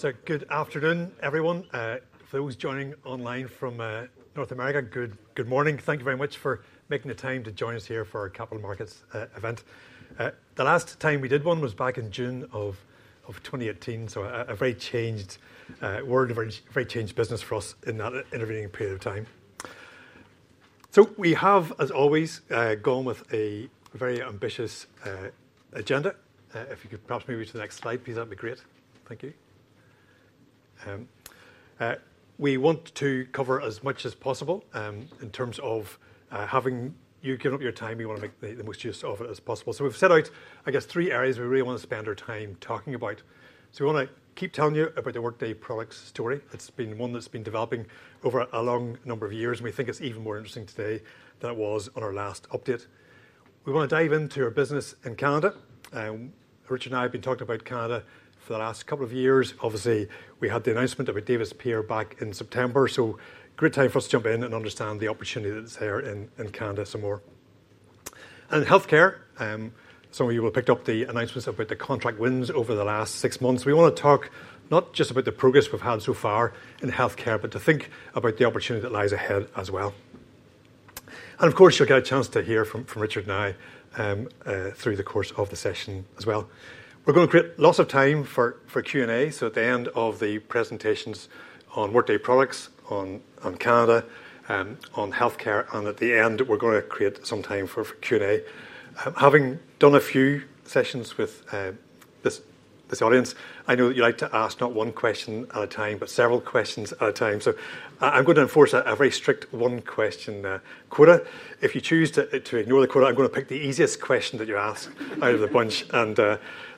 Good afternoon, everyone. For those joining online from North America, good morning. Thank you very much for making the time to join us here for our Capital Markets event. The last time we did one was back in June 2018. A very changed world, a very changed business for us in that intervening period of time. We have, as always, gone with a very ambitious agenda. If you could perhaps move me to the next slide, please, that would be great. Thank you. We want to cover as much as possible in terms of having you give up your time. We want to make the most use of it as possible. We've set out, I guess, three areas we really want to spend our time talking about. We want to keep telling you about the Workday product story. It's been one that's been developing over a long number of years, and we think it's even more interesting today than it was on our last update. We want to dive into our business in Canada. Richard and I have been talking about Canada for the last couple of years. Obviously, we had the announcement of Davis Pier back in September. A great time for us to jump in and understand the opportunity that's there in Canada some more. In health care, some of you will have picked up the announcements about the contract wins over the last six months. We want to talk not just about the progress we've had so far in health care, but to think about the opportunity that lies ahead as well. Of course, you'll get a chance to hear from Richard and I through the course of the session as well. We're going to create lots of time for Q&A. At the end of the presentations on Workday products, on Canada, on health care, and at the end, we're going to create some time for Q&A. Having done a few sessions with this audience, I know that you like to ask not one question at a time, but several questions at a time. I'm going to enforce a very strict one-question quota. If you choose to ignore the quota, I'm going to pick the easiest question that you ask out of the bunch.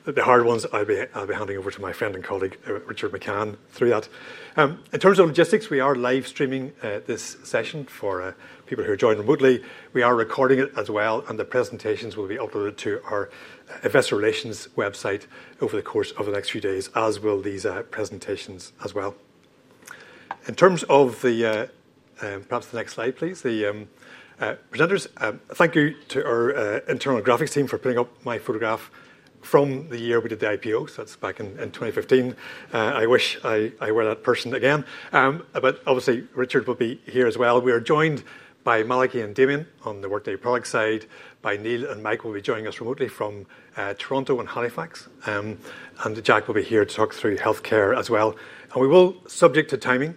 The hard ones, I'll be handing over to my friend and colleague, Richard McCann, through that. In terms of logistics, we are live streaming this session for people who are joining remotely. We are recording it as well, and the presentations will be uploaded to our Investor Relations website over the course of the next few days, as will these presentations as well. In terms of the perhaps the next slide, please, the presenters. Thank you to our internal graphics team for putting up my photograph from the year we did the IPO. That's back in 2015. I wish I were that person again. Obviously, Richard will be here as well. We are joined by Malachy and Damien on the Workday Products side. Neil and Mike will be joining us remotely from Toronto and Halifax. Jack will be here to talk through health care as well. We will, subject to timing,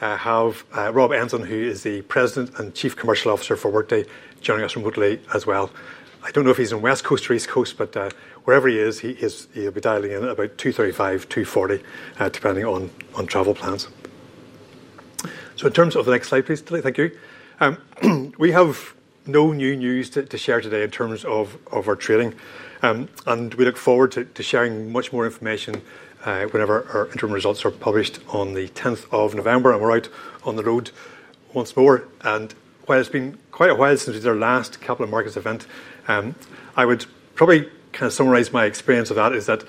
have Rob Enslin, who is the President and Chief Commercial Officer for Workday, joining us remotely as well. I don't know if he's on West Coast or East Coast, but wherever he is, he'll be dialing in about 2:35 P.M., 2:40 P.M., depending on travel plans. In terms of the next slide, please. Thank you. We have no new news to share today in terms of our trailing. We look forward to sharing much more information whenever our interim results are published on the 10th of November. We're out on the road once more. While it's been quite a while since we did our last Capital Markets event, I would probably kind of summarize my experience of that is that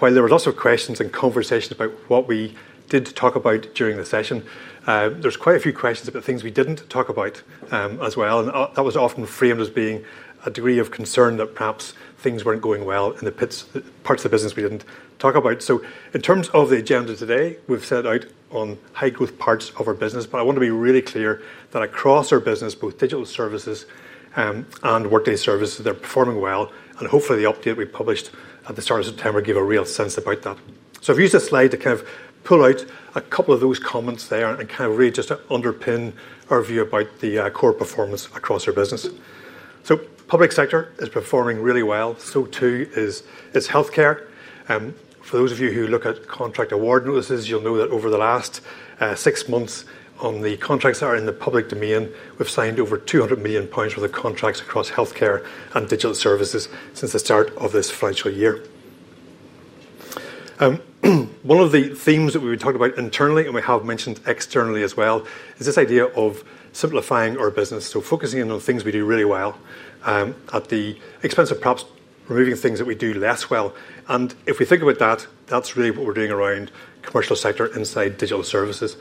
while there were lots of questions and conversations about what we did talk about during the session, there were quite a few questions about things we didn't talk about as well. That was often framed as being a degree of concern that perhaps things weren't going well in the parts of the business we didn't talk about. In terms of the agenda today, we've set it out on high-growth parts of our business. I want to be really clear that across our business, both Digital Services and Workday Services, they're performing well. Hopefully, the update we published at the start of September will give a real sense about that. I've used this slide to pull out a couple of those comments there and really just to underpin our view about the core performance across our business. The public sector is performing really well. So too is health care. For those of you who look at contract award notices, you'll know that over the last six months, on the contracts that are in the public domain, we've signed over 200 million pounds for the contracts across health care and Digital Services since the start of this financial year. One of the themes that we would talk about internally, and we have mentioned externally as well, is this idea of simplifying our business, focusing in on things we do really well at the expense of perhaps removing things that we do less well. If we think about that, that's really what we're doing around the commercial sector inside Digital Services.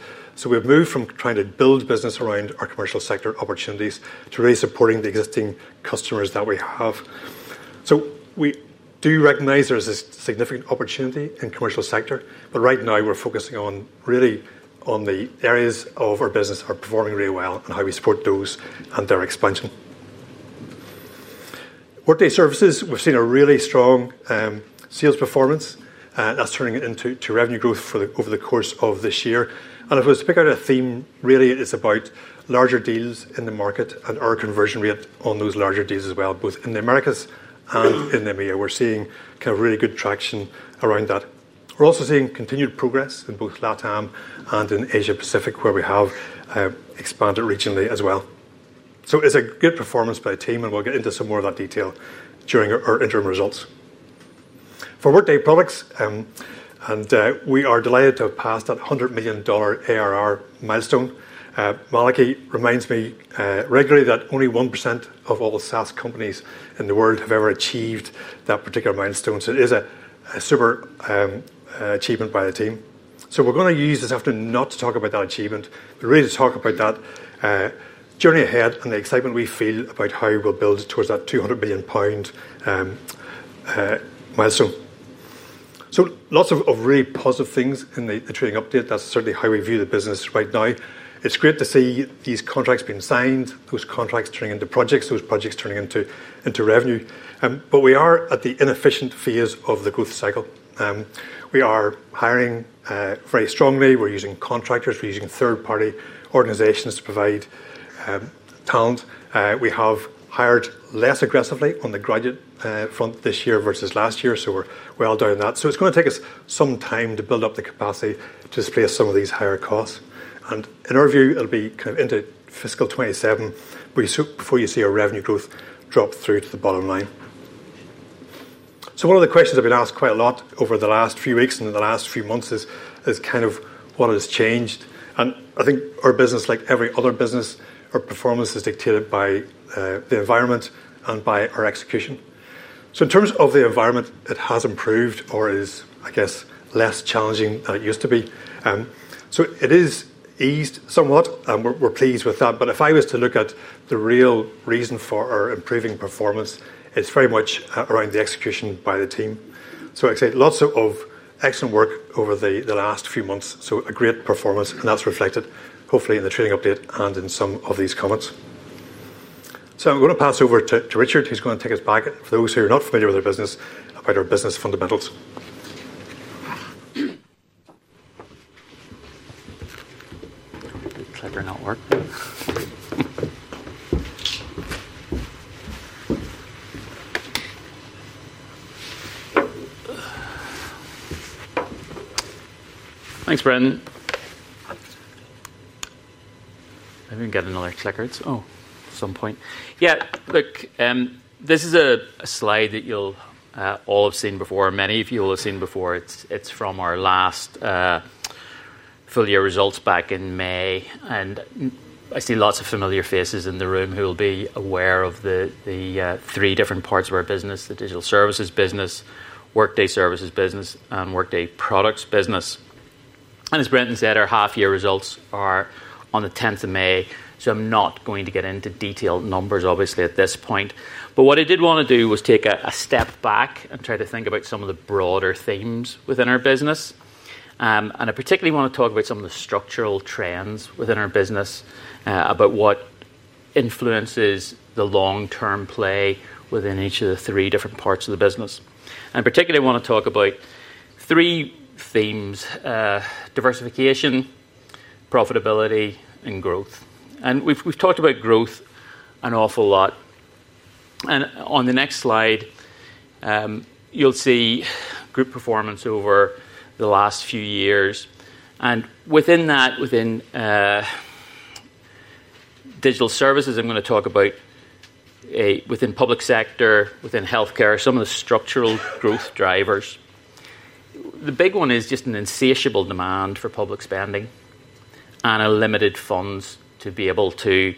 We've moved from trying to build business around our commercial sector opportunities to really supporting the existing customers that we have. We do recognize there is a significant opportunity in the commercial sector. Right now, we're focusing really on the areas of our business that are performing really well and how we support those and their expansion. Workday Services, we've seen a really strong sales performance. That's turning it into revenue growth over the course of this year. If I was to pick out a theme, really, it's about larger deals in the market and our conversion rate on those larger deals as well, both in the Americas and in EMEA. We're seeing really good traction around that. We're also seeing continued progress in both LATAM and in Asia Pacific, where we have expanded regionally as well. It's a good performance by the team. We'll get into some more of that detail during our interim results. For Workday Products, we are delighted to have passed that $100 million ARR milestone. Malachy reminds me regularly that only 1% of all the SaaS companies in the world have ever achieved that particular milestone. It is a super achievement by the team. We're going to use this afternoon not to talk about that achievement, but really to talk about that journey ahead and the excitement we feel about how we'll build towards that 200 million pound milestone. Lots of really positive things in the training update. That's certainly how we view the business right now. It's great to see these contracts being signed, those contracts turning into projects, those projects turning into revenue. We are at the inefficient phase of the growth cycle. We are hiring very strongly. We're using contractors. We're using third-party organizations to provide talent. We have hired less aggressively on the graduate front this year versus last year. We're well down in that. It's going to take us some time to build up the capacity to displace some of these higher costs. In our view, it'll be into fiscal 2027, before you see our revenue growth drop through to the bottom line. One of the questions I've been asked quite a lot over the last few weeks and the last few months is what has changed. I think our business, like every other business, our performance is dictated by the environment and by our execution. In terms of the environment, it has improved or is, I guess, less challenging than it used to be. It has eased somewhat, and we're pleased with that. If I was to look at the real reason for our improving performance, it's very much around the execution by the team. I'd say lots of excellent work over the last few months, a great performance. That's reflected, hopefully, in the training update and in some of these comments. I'm going to pass over to Richard, who's going to take us back, for those who are not familiar with our business, about our business fundamentals. I'm going to click on that work. Thanks, Brendan. Maybe we can get another clicker at some point. This is a slide that you'll all have seen before, many of you will have seen before. It's from our last full-year results back in May. I see lots of familiar faces in the room who will be aware of the three different parts of our business: the Digital Services business, Workday Services business, and Workday Products business. As Brendan said, our half-year results are on the 10th of May. I'm not going to get into detailed numbers, obviously, at this point. What I did want to do was take a step back and try to think about some of the broader themes within our business. I particularly want to talk about some of the structural trends within our business, about what influences the long-term play within each of the three different parts of the business. I want to talk about three themes: diversification, profitability, and growth. We've talked about growth an awful lot. On the next slide, you'll see group performance over the last few years. Within that, within Digital Services, I'm going to talk about, within public sector, within health care, some of the structural growth drivers. The big one is just an insatiable demand for public spending and unlimited funds to be able to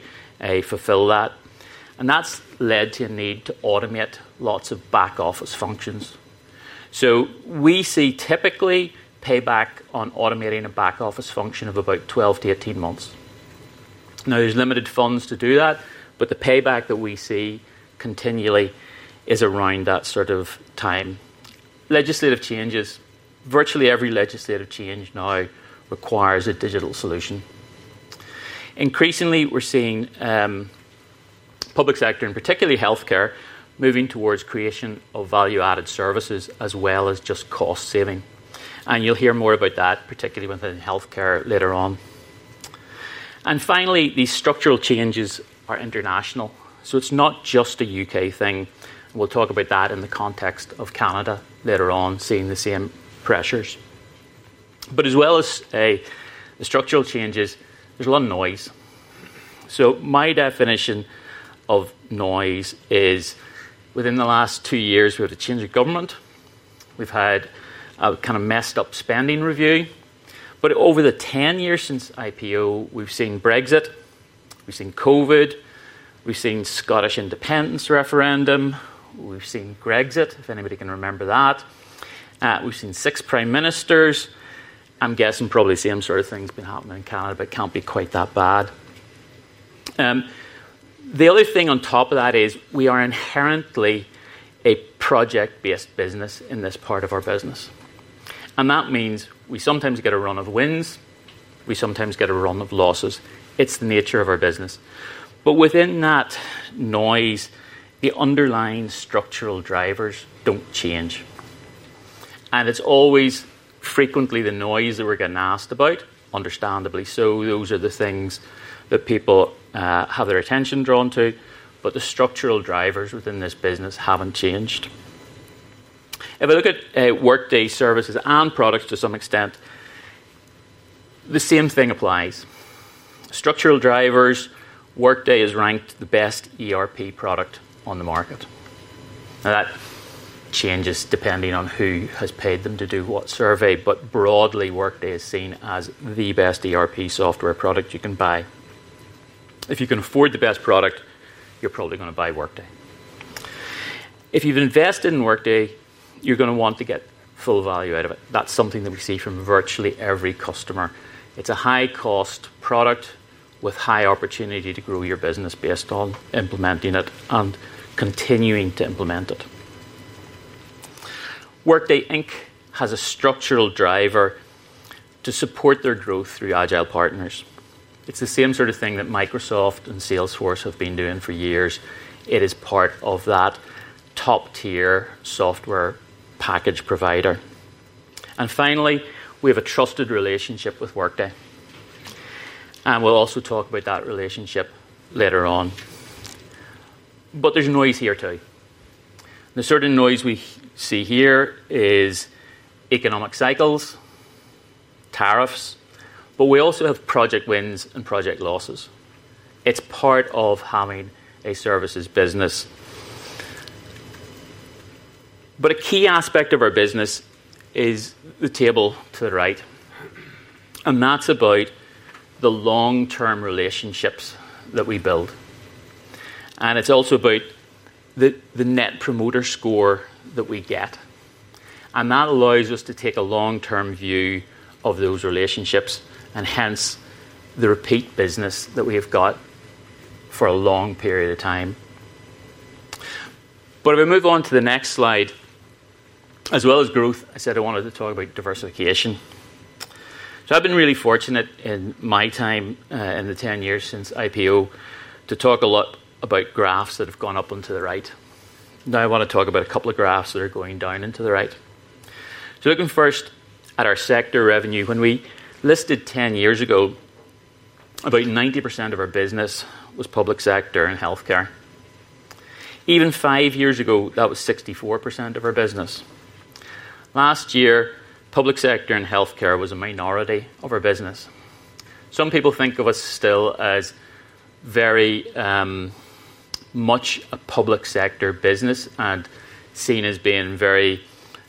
fulfill that. That's led to a need to automate lots of back-office functions. We see typically payback on automating a back-office function of about 12 to 18 months. There's limited funds to do that, but the payback that we see continually is around that sort of time. Legislative changes, virtually every legislative change now requires a digital solution. Increasingly, we're seeing public sector, and particularly health care, moving towards the creation of value-added services as well as just cost saving. You'll hear more about that, particularly within health care, later on. Finally, these structural changes are international. It's not just a U.K. thing. We'll talk about that in the context of Canada later on, seeing the same pressures. As well as the structural changes, there's a lot of noise. My definition of noise is within the last two years, we've had a change of government. We've had a kind of messed-up spending review. Over the 10 years since IPO, we've seen Brexit. We've seen COVID. We've seen the Scottish independence referendum. We've seen Gregzit, if anybody can remember that. We've seen six prime ministers. I'm guessing probably the same sort of thing has been happening in Canada, but it can't be quite that bad. The other thing on top of that is we are inherently a project-based business in this part of our business, and that means we sometimes get a run of wins, we sometimes get a run of losses. It's the nature of our business. Within that noise, the underlying structural drivers don't change. It's always frequently the noise that we're getting asked about, understandably so. Those are the things that people have their attention drawn to, but the structural drivers within this business haven't changed. If I look at Workday Services and products to some extent, the same thing applies. Structural drivers, Workday is ranked the best ERP product on the market. That changes depending on who has paid them to do what survey, but broadly, Workday is seen as the best ERP software product you can buy. If you can afford the best product, you're probably going to buy Workday. If you've invested in Workday, you're going to want to get full value out of it. That's something that we see from virtually every customer. It's a high-cost product with high opportunity to grow your business based on implementing it and continuing to implement it. Workday has a structural driver to support their growth through agile partners. It's the same sort of thing that Microsoft and Salesforce have been doing for years. It is part of that top-tier software package provider. Finally, we have a trusted relationship with Workday. We'll also talk about that relationship later on. There's noise here too. The sort of noise we see here is economic cycles, tariffs. We also have project wins and project losses. It's part of having a services business. A key aspect of our business is the table to the right, and that's about the long-term relationships that we build. It's also about the net promoter score that we get, and that allows us to take a long-term view of those relationships and hence the repeat business that we have got for a long period of time. If we move on to the next slide, as well as growth, I said I wanted to talk about diversification. I've been really fortunate in my time in the 10 years since IPO to talk a lot about graphs that have gone up and to the right. Now, I want to talk about a couple of graphs that are going down and to the right. Looking first at our sector revenue, when we listed 10 years ago, about 90% of our business was public sector and health care. Even five years ago, that was 64% of our business. Last year, public sector and health care was a minority of our business. Some people think of us still as very much a public sector business and seen as being very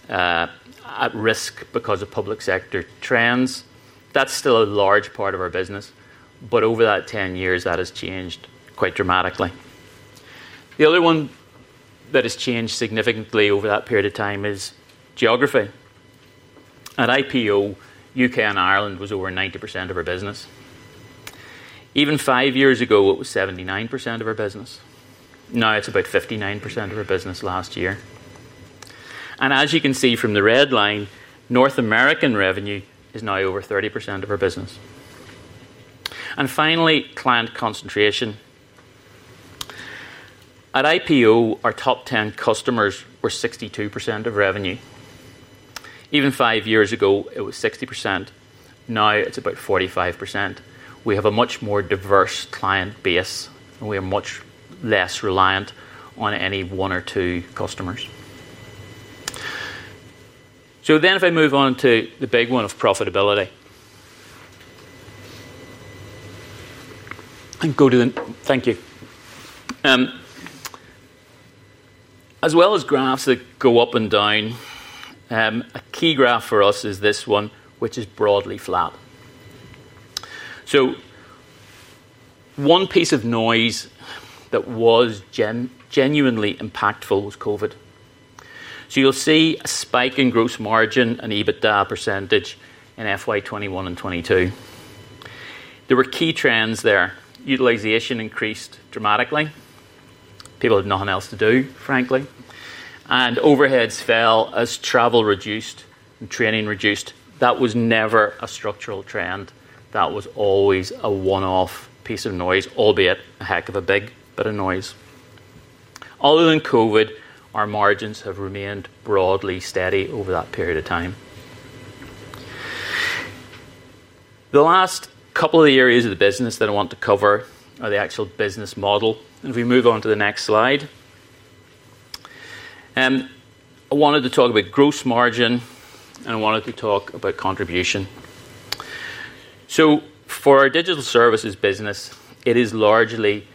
at risk because of public sector trends. That's still a large part of our business, but over that 10 years, that has changed quite dramatically. The other one that has changed significantly over that period of time is geography. At IPO, U.K. and Ireland was over 90% of our business. Even five years ago, it was 79% of our business. Now, it's about 59% of our business last year. As you can see from the red line, North American revenue is now over 30% of our business. Finally, client concentration. At IPO, our top 10 customers were 62% of revenue. Even five years ago, it was 60%. Now, it's about 45%. We have a much more diverse client base, and we are much less reliant on any one or two customers. If I move on to the big one of profitability and go to the thank you. As well as graphs that go up and down, a key graph for us is this one, which is broadly flat. One piece of noise that was genuinely impactful was COVID. You'll see a spike in gross margin and EBITDA percentage in FY 2021 and FY 2022. There were key trends there. Utilization increased dramatically. People had nothing else to do, frankly, and overheads fell as travel reduced and training reduced. That was never a structural trend. That was always a one-off piece of noise, albeit a heck of a big bit of noise. Other than COVID, our margins have remained broadly steady over that period of time. The last couple of areas of the business that I want to cover are the actual business model. If we move on to the next slide, I wanted to talk about gross margin and I wanted to talk about contribution. For our Digital Services business, it is largely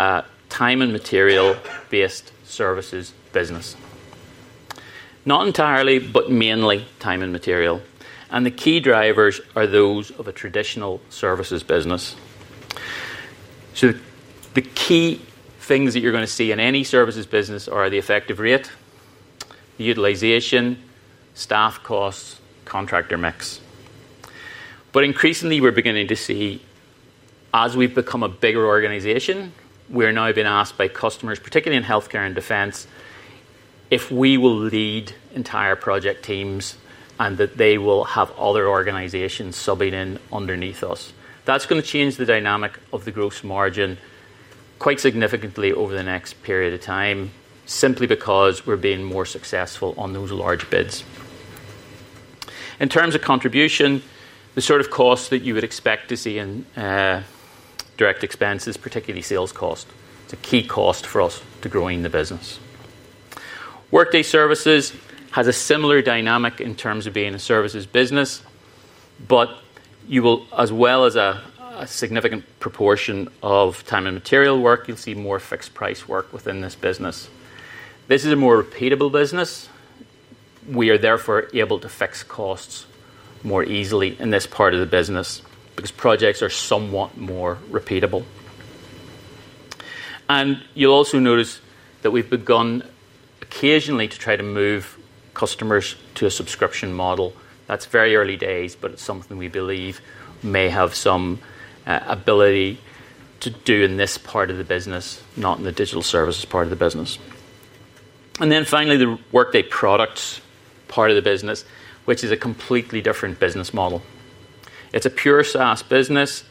a time and material-based services business. Not entirely, but mainly time and material. The key drivers are those of a traditional services business. The key things that you're going to see in any services business are the effective rate, the utilization, staff costs, contractor mix. But increasingly, we're beginning to see, as we've become a bigger organization, we're now being asked by customers, particularly in health care and defense, if we will lead entire project teams and that they will have other organizations subbing in underneath us. That's going to change the dynamic of the gross margin quite significantly over the next period of time, simply because we're being more successful on those large bids. In terms of contribution, the sort of costs that you would expect to see in direct expenses, particularly sales cost, it's a key cost for us to grow in the business. Workday Services has a similar dynamic in terms of being a services business. As well as a significant proportion of time and material work, you'll see more fixed-price work within this business. This is a more repeatable business. We are, therefore, able to fix costs more easily in this part of the business because projects are somewhat more repeatable. You'll also notice that we've begun occasionally to try to move customers to a subscription model. That's very early days, but it's something we believe may have some ability to do in this part of the business, not in the Digital Services part of the business. Finally, the Workday Products part of the business, which is a completely different business model. It's a pure SaaS business.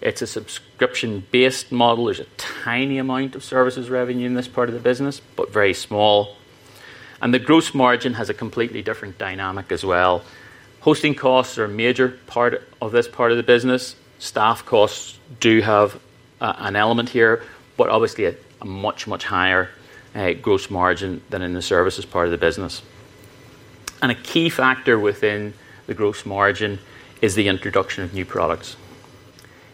It's a subscription-based model. There's a tiny amount of services revenue in this part of the business, but very small. The gross margin has a completely different dynamic as well. Hosting costs are a major part of this part of the business. Staff costs do have an element here, but obviously a much, much higher gross margin than in the services part of the business. A key factor within the gross margin is the introduction of new products.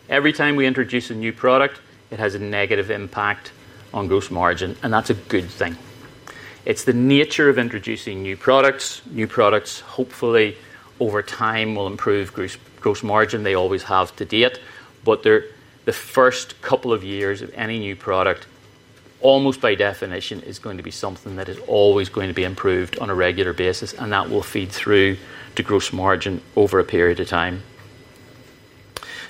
Every time we introduce a new product, it has a negative impact on gross margin. That's a good thing. It's the nature of introducing new products. New products, hopefully, over time will improve gross margin. They always have to date. The first couple of years of any new product, almost by definition, is going to be something that is always going to be improved on a regular basis. That will feed through to gross margin over a period of time.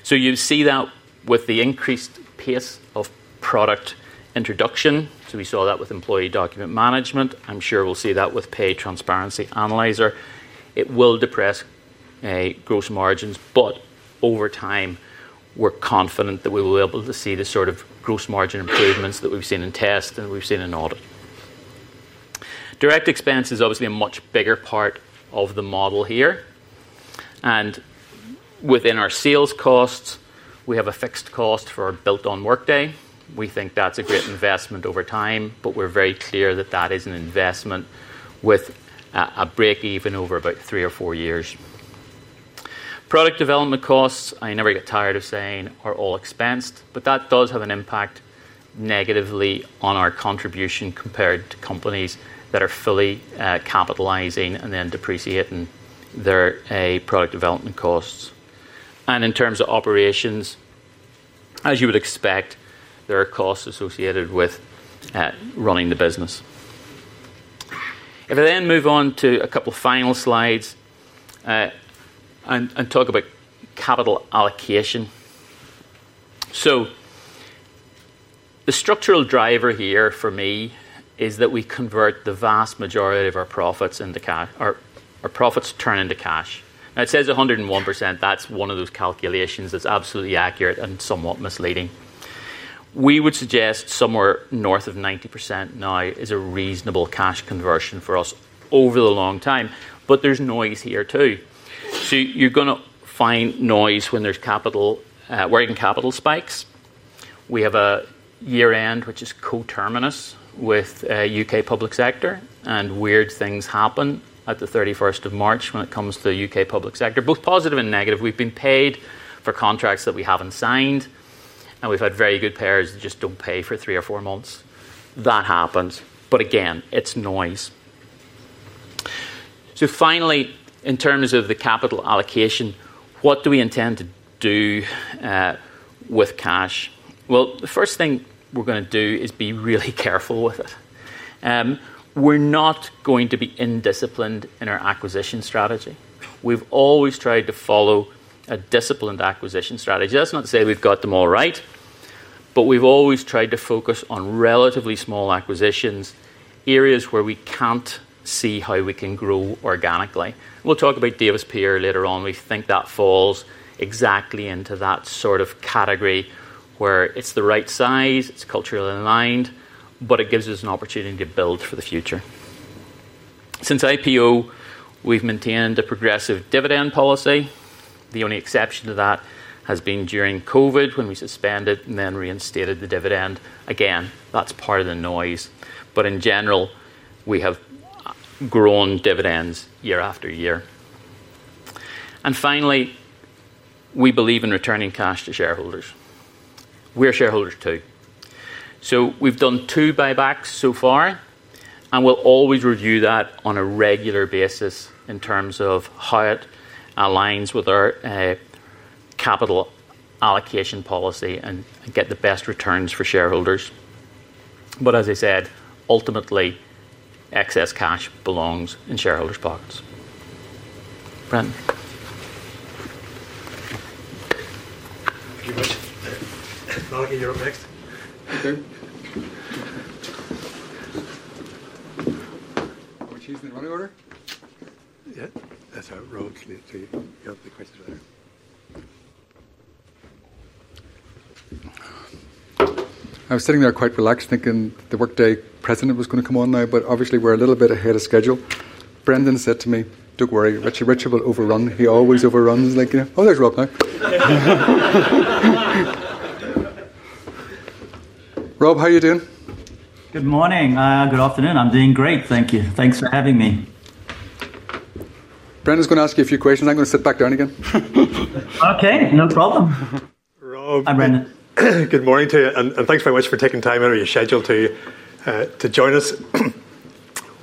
You see that with the increased pace of product introduction. We saw that with Employee Document Management. I'm sure we'll see that with Pay Transparency Analyzer. It will depress gross margins. Over time, we're confident that we will be able to see the sort of gross margin improvements that we've seen in test and we've seen in audit. Direct expense is obviously a much bigger part of the model here. Within our sales costs, we have a fixed cost for our built-on Workday. We think that's a great investment over time. We're very clear that that is an investment with a break-even over about three or four years. Product development costs, I never get tired of saying, are all expensed. That does have an impact negatively on our contribution compared to companies that are fully capitalizing and then depreciating their product development costs. In terms of operations, as you would expect, there are costs associated with running the business. If I then move on to a couple of final slides and talk about capital allocation. The structural driver here for me is that we convert the vast majority of our profits into cash. Our profits turn into cash. Now, it says 101%. That's one of those calculations that's absolutely accurate and somewhat misleading. We would suggest somewhere north of 90% now is a reasonable cash conversion for us over the long time. There's noise here too. You're going to find noise when there's capital wherein capital spikes. We have a year-end which is co-terminus with U.K. public sector. Weird things happen at the 31st of March when it comes to the U.K. public sector, both positive and negative. We've been paid for contracts that we haven't signed. We've had very good payers that just don't pay for three or four months. That happens. Again, it's noise. Finally, in terms of the capital allocation, what do we intend to do with cash? The first thing we're going to do is be really careful with it. We're not going to be indisciplined in our acquisition strategy. We've always tried to follow a disciplined acquisition strategy. That's not to say we've got them all right. We've always tried to focus on relatively small acquisitions, areas where we can't see how we can grow organically. We'll talk about Davis Pier later on. We think that falls exactly into that sort of category where it's the right size. It's culturally aligned. It gives us an opportunity to build for the future. Since IPO, we've maintained a progressive dividend policy. The only exception to that has been during COVID when we suspended and then reinstated the dividend. Again, that's part of the noise. In general, we have grown dividends year after year. Finally, we believe in returning cash to shareholders. We're shareholders too. We have done two buybacks so far. We always review that on a regular basis in terms of how it aligns with our capital allocation policy and get the best returns for shareholders. As I said, ultimately, excess cash belongs in shareholders' pockets. Brendan. Thank you very much. Malachy, you're up next. OK. Oh, she's in the running order? Yeah, that's how it rolls. OK, you have the questions right here. I was sitting there quite relaxed thinking the Workday President was going to come on now. Obviously, we're a little bit ahead of schedule. Brendan said to me, "Don't worry, Richard will overrun." He always overruns. "Oh, there's Rob now." Rob, how are you doing? Good morning. Good afternoon. I'm doing great, thank you. Thanks for having me. Brendan's going to ask you a few questions. I'm going to sit back down again. OK, no problem. Rob. Hi, Brandon. Good morning to you, and thanks very much for taking time out of your schedule to join us.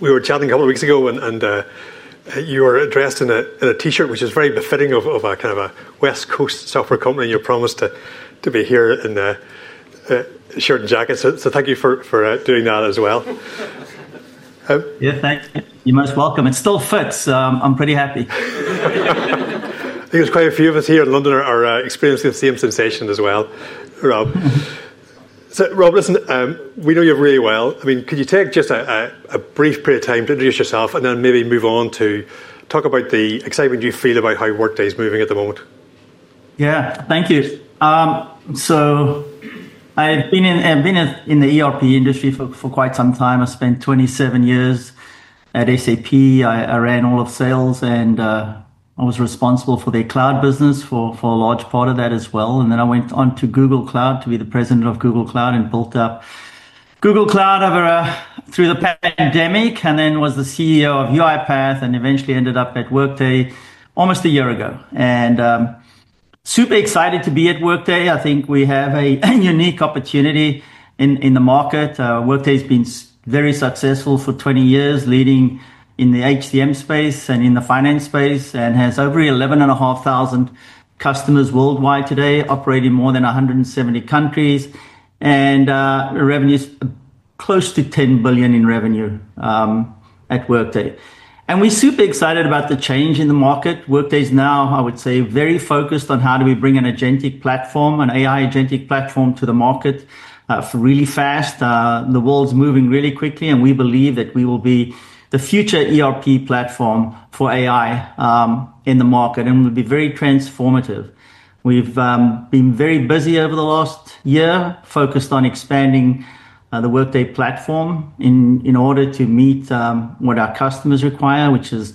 We were chatting a couple of weeks ago, and you were dressed in a T-shirt, which is very befitting of kind of a West Coast software company. You promised to be here in a shirt and jacket, so thank you for doing that as well. Yeah, thanks. You're most welcome. It still fits. I'm pretty happy. I think there's quite a few of us here in London who are experiencing the same sensation as well, Rob. Rob, listen, we know you really well. Could you take just a brief period of time to introduce yourself and then maybe move on to talk about the excitement you feel about how Workday is moving at the moment? Thank you. I've been in the ERP industry for quite some time. I spent 27 years at SAP. I ran all of sales, and I was responsible for the cloud business for a large part of that as well. I went on to Google Cloud to be the President of Google Cloud and built up Google Cloud through the pandemic. I was the CEO of UiPath and eventually ended up at Workday almost a year ago. I'm super excited to be at Workday. I think we have a unique opportunity in the market. Workday has been very successful for 20 years, leading in the HCM space and in the finance space, and has over 11,500 customers worldwide today, operating in more than 170 countries. Revenue is close to $10 billion at Workday. We're super excited about the change in the market. Workday is now, I would say, very focused on how we bring an agentic AI platform to the market really fast. The world's moving really quickly, and we believe that we will be the future ERP platform for AI in the market. We'll be very transformative. We've been very busy over the last year, focused on expanding the Workday platform in order to meet what our customers require, which is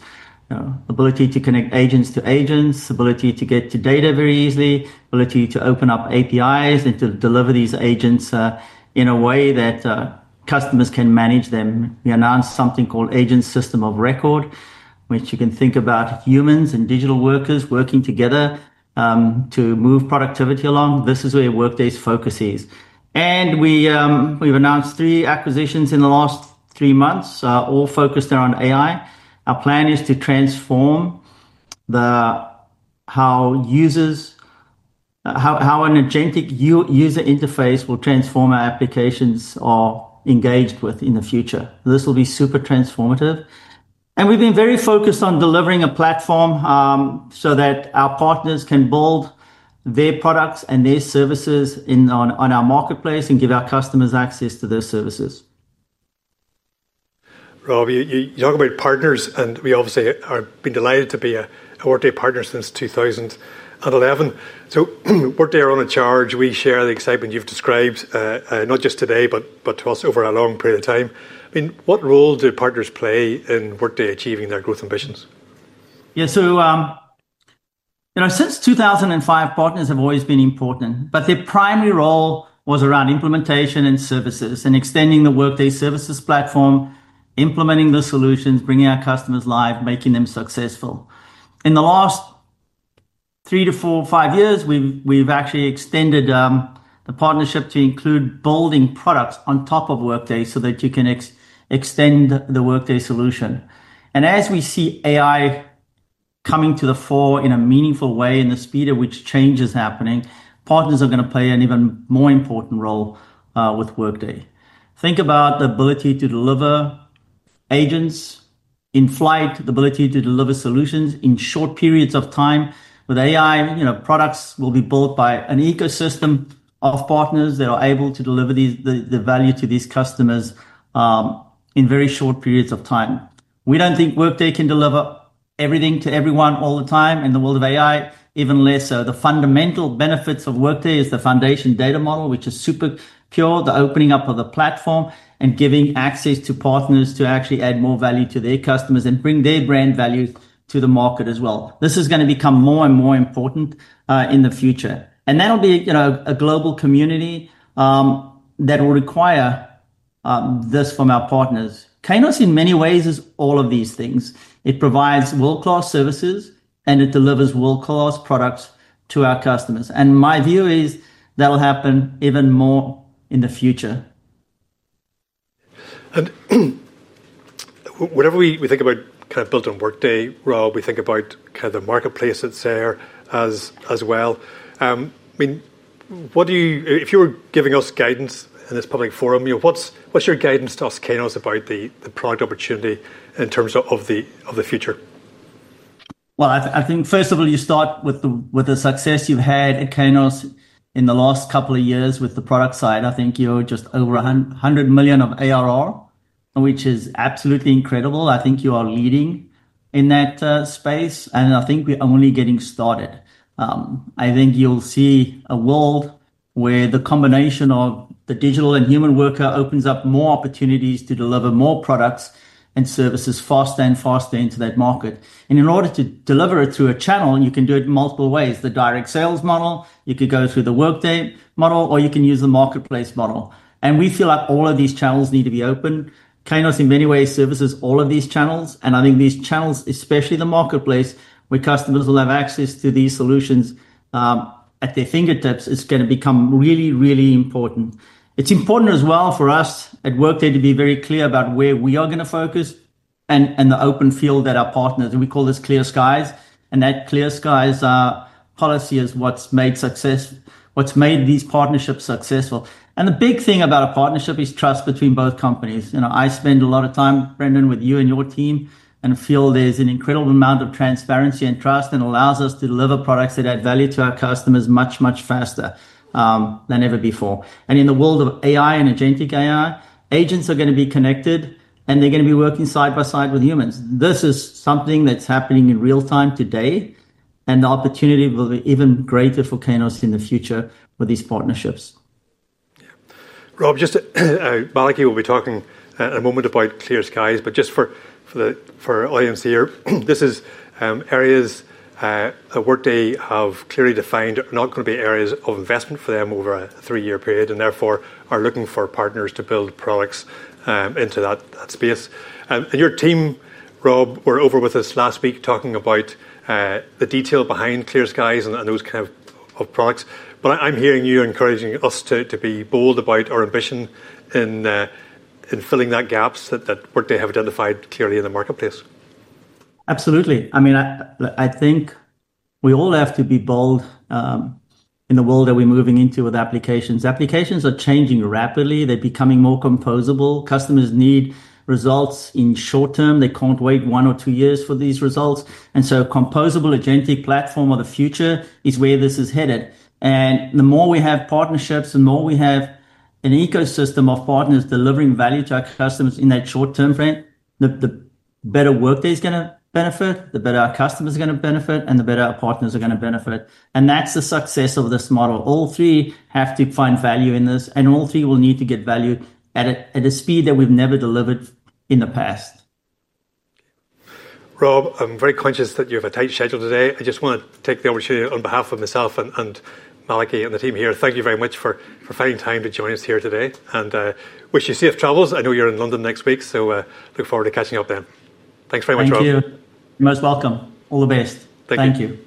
the ability to connect agents to agents, the ability to get to data very easily, the ability to open up APIs, and to deliver these agents in a way that customers can manage them. We announced something called Agent System of Record, which you can think about as humans and digital workers working together to move productivity along. This is where Workday's focus is. We've announced three acquisitions in the last three months, all focused around AI. Our plan is to transform how an agentic user interface will transform our applications or engage with in the future. This will be super transformative. We've been very focused on delivering a platform so that our partners can build their products and their services on our marketplace and give our customers access to those services. Rob, you talk about partners. We obviously have been delighted to be a Workday partner since 2011. Workday are on a charge. We share the excitement you've described, not just today, but to us over a long period of time. What role do partners play in Workday achieving their growth ambitions? Yeah, so since 2005, partners have always been important. Their primary role was around implementation and services and extending the Workday Services platform, implementing the solutions, bringing our customers live, making them successful. In the last three to four or five years, we've actually extended the partnership to include building products on top of Workday so that you can extend the Workday solution. As we see AI coming to the fore in a meaningful way and the speed at which change is happening, partners are going to play an even more important role with Workday. Think about the ability to deliver agents in flight, the ability to deliver solutions in short periods of time. With AI, products will be built by an ecosystem of partners that are able to deliver the value to these customers in very short periods of time. We don't think Workday can deliver everything to everyone all the time. In the world of AI, even less so. The fundamental benefits of Workday is the foundation data model, which is super pure, the opening up of the platform and giving access to partners to actually add more value to their customers and bring their brand value to the market as well. This is going to become more and more important in the future. That will be a global community that will require this from our partners. Kainos in many ways is all of these things. It provides world-class services and it delivers world-class products to our customers. My view is that'll happen even more in the future. Whatever we think about kind of built on Workday, Rob, we think about kind of the marketplace that's there as well. If you were giving us guidance in this public forum, what's your guidance to us, Kainos, about the product opportunity in terms of the future? I think first of all, you start with the success you've had at Kainos in the last couple of years with the product side. I think you're just over $100 million of ARR, which is absolutely incredible. I think you are leading in that space, and I think we're only getting started. I think you'll see a world where the combination of the digital and human worker opens up more opportunities to deliver more products and services faster and faster into that market. In order to deliver it through a channel, you can do it in multiple ways. The direct sales model, you could go through the Workday model, or you can use the marketplace model. We feel like all of these channels need to be open. Kainos, in many ways, services all of these channels. I think these channels, especially the marketplace, where customers will have access to these solutions at their fingertips, is going to become really, really important. It's important as well for us at Workday to be very clear about where we are going to focus and the open field that our partners—we call this clear skies. That clear skies policy is what's made these partnerships successful. The big thing about a partnership is trust between both companies. I spend a lot of time, Brendan, with you and your team and feel there's an incredible amount of transparency and trust that allows us to deliver products that add value to our customers much, much faster than ever before. In the world of AI and agentic AI, agents are going to be connected, and they're going to be working side by side with humans. This is something that's happening in real time today. The opportunity will be even greater for Kainos in the future with these partnerships. Rob, just Malachy will be talking in a moment about Clear Skies. For the audience here, this is areas that Workday have clearly defined are not going to be areas of investment for them over a three-year period and therefore are looking for partners to build products into that space. Your team, Rob, were over with us last week talking about the detail behind Clear Skies and those kind of products. I'm hearing you encouraging us to be bold about our ambition in filling that gap that Workday have identified clearly in the marketplace. Absolutely. I mean, I think we all have to be bold in the world that we're moving into with applications. Applications are changing rapidly. They're becoming more composable. Customers need results in the short term. They can't wait one or two years for these results. A composable agentic platform of the future is where this is headed. The more we have partnerships, the more we have an ecosystem of partners delivering value to our customers in that short-term frame, the better Workday is going to benefit, the better our customers are going to benefit, and the better our partners are going to benefit. That's the success of this model. All three have to find value in this. All three will need to get value at a speed that we've never delivered in the past. Rob, I'm very conscious that you have a tight schedule today. I just want to take the opportunity on behalf of myself and Malachy and the team here, thank you very much for finding time to join us here today. I wish you safe travels. I know you're in London next week. I look forward to catching up then. Thanks very much, Rob. Thank you. You're most welcome. All the best. Thank you. Thank you.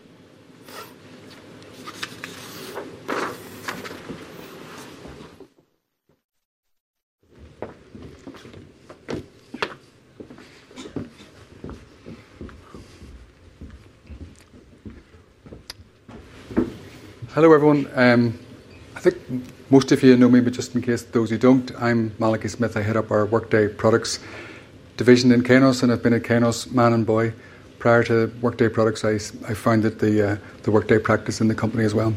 Hello everyone. I think most of you know me, but just in case those who don't, I'm Malachy Smith. I head up our Workday Products division in Kainos. I've been at Kainos man and boy. Prior to Workday Products, I founded the Workday practice in the company as well.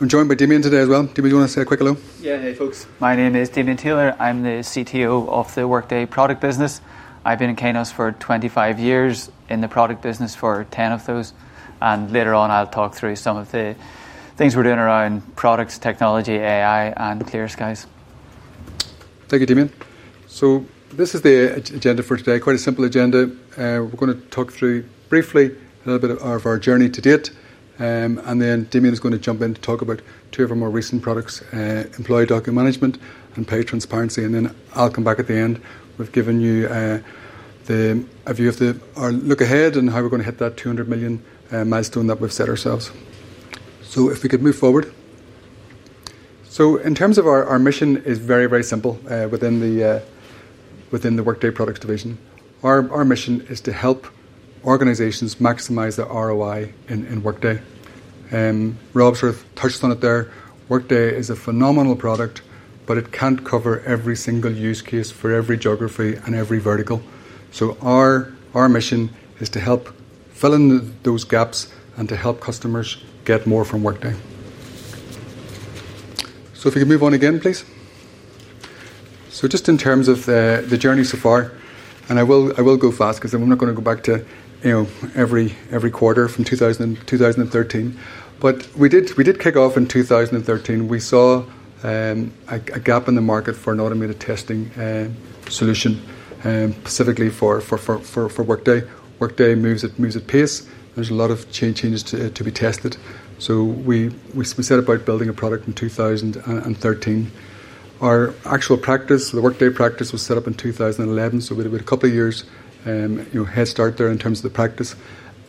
I'm joined by Damien today as well. Damien, do you want to say a quick hello? Yeah, hey, folks. My name is Damien Taylor. I'm the CTO of the Workday Products business. I've been in Kainos for 25 years, in the product business for 10 of those. Later on, I'll talk through some of the things we're doing around products, technology, AI, and Clear Skies. Thank you, Damien. This is the agenda for today, quite a simple agenda. We're going to talk through briefly a little bit of our journey to date. Damien is going to jump in to talk about two of our more recent products, Employee Document Management and Pay Transparency Analyzer. I'll come back at the end. We've given you a view of our look ahead and how we're going to hit that $200 million milestone that we've set ourselves. If we could move forward. In terms of our mission, it's very, very simple within the Workday Products division. Our mission is to help organizations maximize the ROI in Workday. Rob sort of touched on it there. Workday is a phenomenal product. It can't cover every single use case for every geography and every vertical. Our mission is to help fill in those gaps and to help customers get more from Workday. If we could move on again, please. Just in terms of the journey so far, I will go fast because I'm not going to go back to every quarter from 2013. We did kick off in 2013. We saw a gap in the market for an automated testing solution, specifically for Workday. Workday moves at pace. There's a lot of changes to be tested. We set about building a product in 2013. Our actual practice, the Workday practice, was set up in 2011. We had a couple of years head start there in terms of the practice.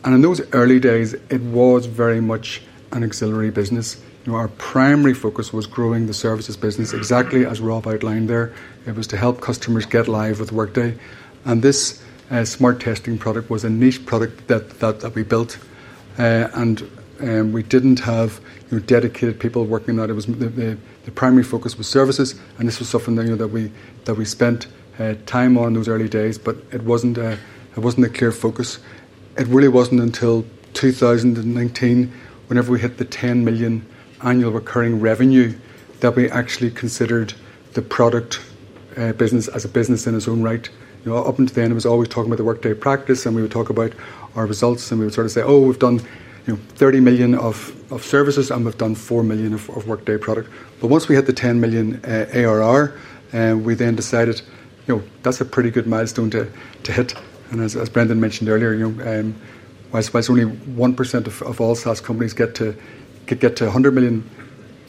In those early days, it was very much an auxiliary business. Our primary focus was growing the services business. Exactly as Rob outlined there, it was to help customers get live with Workday. This Smart Test product was a niche product that we built. We didn't have dedicated people working on it. The primary focus was services. This was something that we spent time on in those early days, but it wasn't a clear focus. It really wasn't until 2019, whenever we hit the $10 million ARR, that we actually considered the product business as a business in its own right. Up until then, it was always talking about the Workday practice. We would talk about our results and we would sort of say, oh, we've done $30 million of services and we've done $4 million of Workday product. Once we hit the $10 million ARR, we then decided that's a pretty good milestone to hit. As Brendan mentioned earlier, only 1% of all SaaS companies get to $100 million.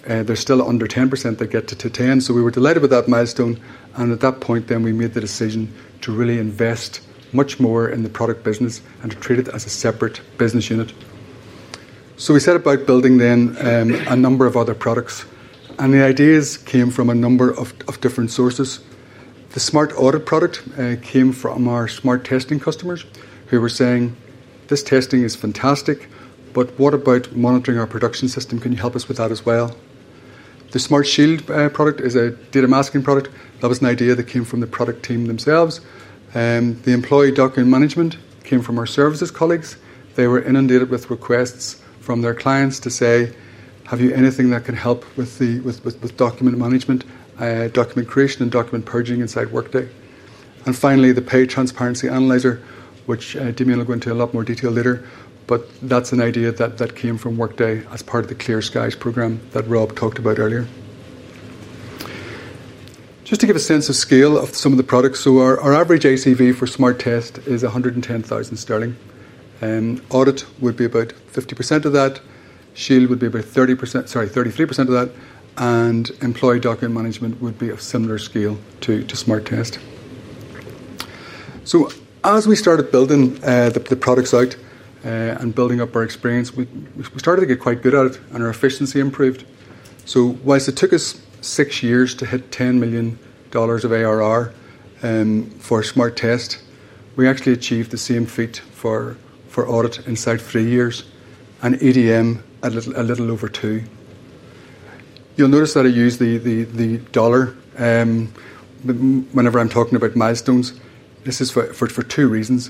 There are still under 10% that get to $10 million. We were delighted with that milestone. At that point, we made the decision to really invest much more in the product business and to treat it as a separate business unit. We set about building a number of other products. The ideas came from a number of different sources. The Smart Audit product came from our Smart Test customers who were saying, this testing is fantastic. What about monitoring our production system? Can you help us with that as well? The Smart Shield product is a data masking product. That was an idea that came from the product team themselves. The Employee Document Management came from our services colleagues. They were inundated with requests from their clients to say, have you anything that can help with document management, document creation, and document purging inside Workday? Finally, the Pay Transparency Analyzer, which Damien will go into a lot more detail later, is an idea that came from Workday as part of the Clear Skies program that Rob talked about earlier. Just to give a sense of scale of some of the products, our average ACV for Smart Test is 110,000 sterling. Audit would be about 50% of that. Shield would be about 33% of that. Employee Document Management would be of similar scale to Smart Test. As we started building the products out and building up our experience, we started to get quite good at it and our efficiency improved. Whilst it took us six years to hit $10 million of ARR for Smart Test, we actually achieved the same feat for Audit inside three years and EDM a little over two. You'll notice that I use the dollar whenever I'm talking about milestones. This is for two reasons.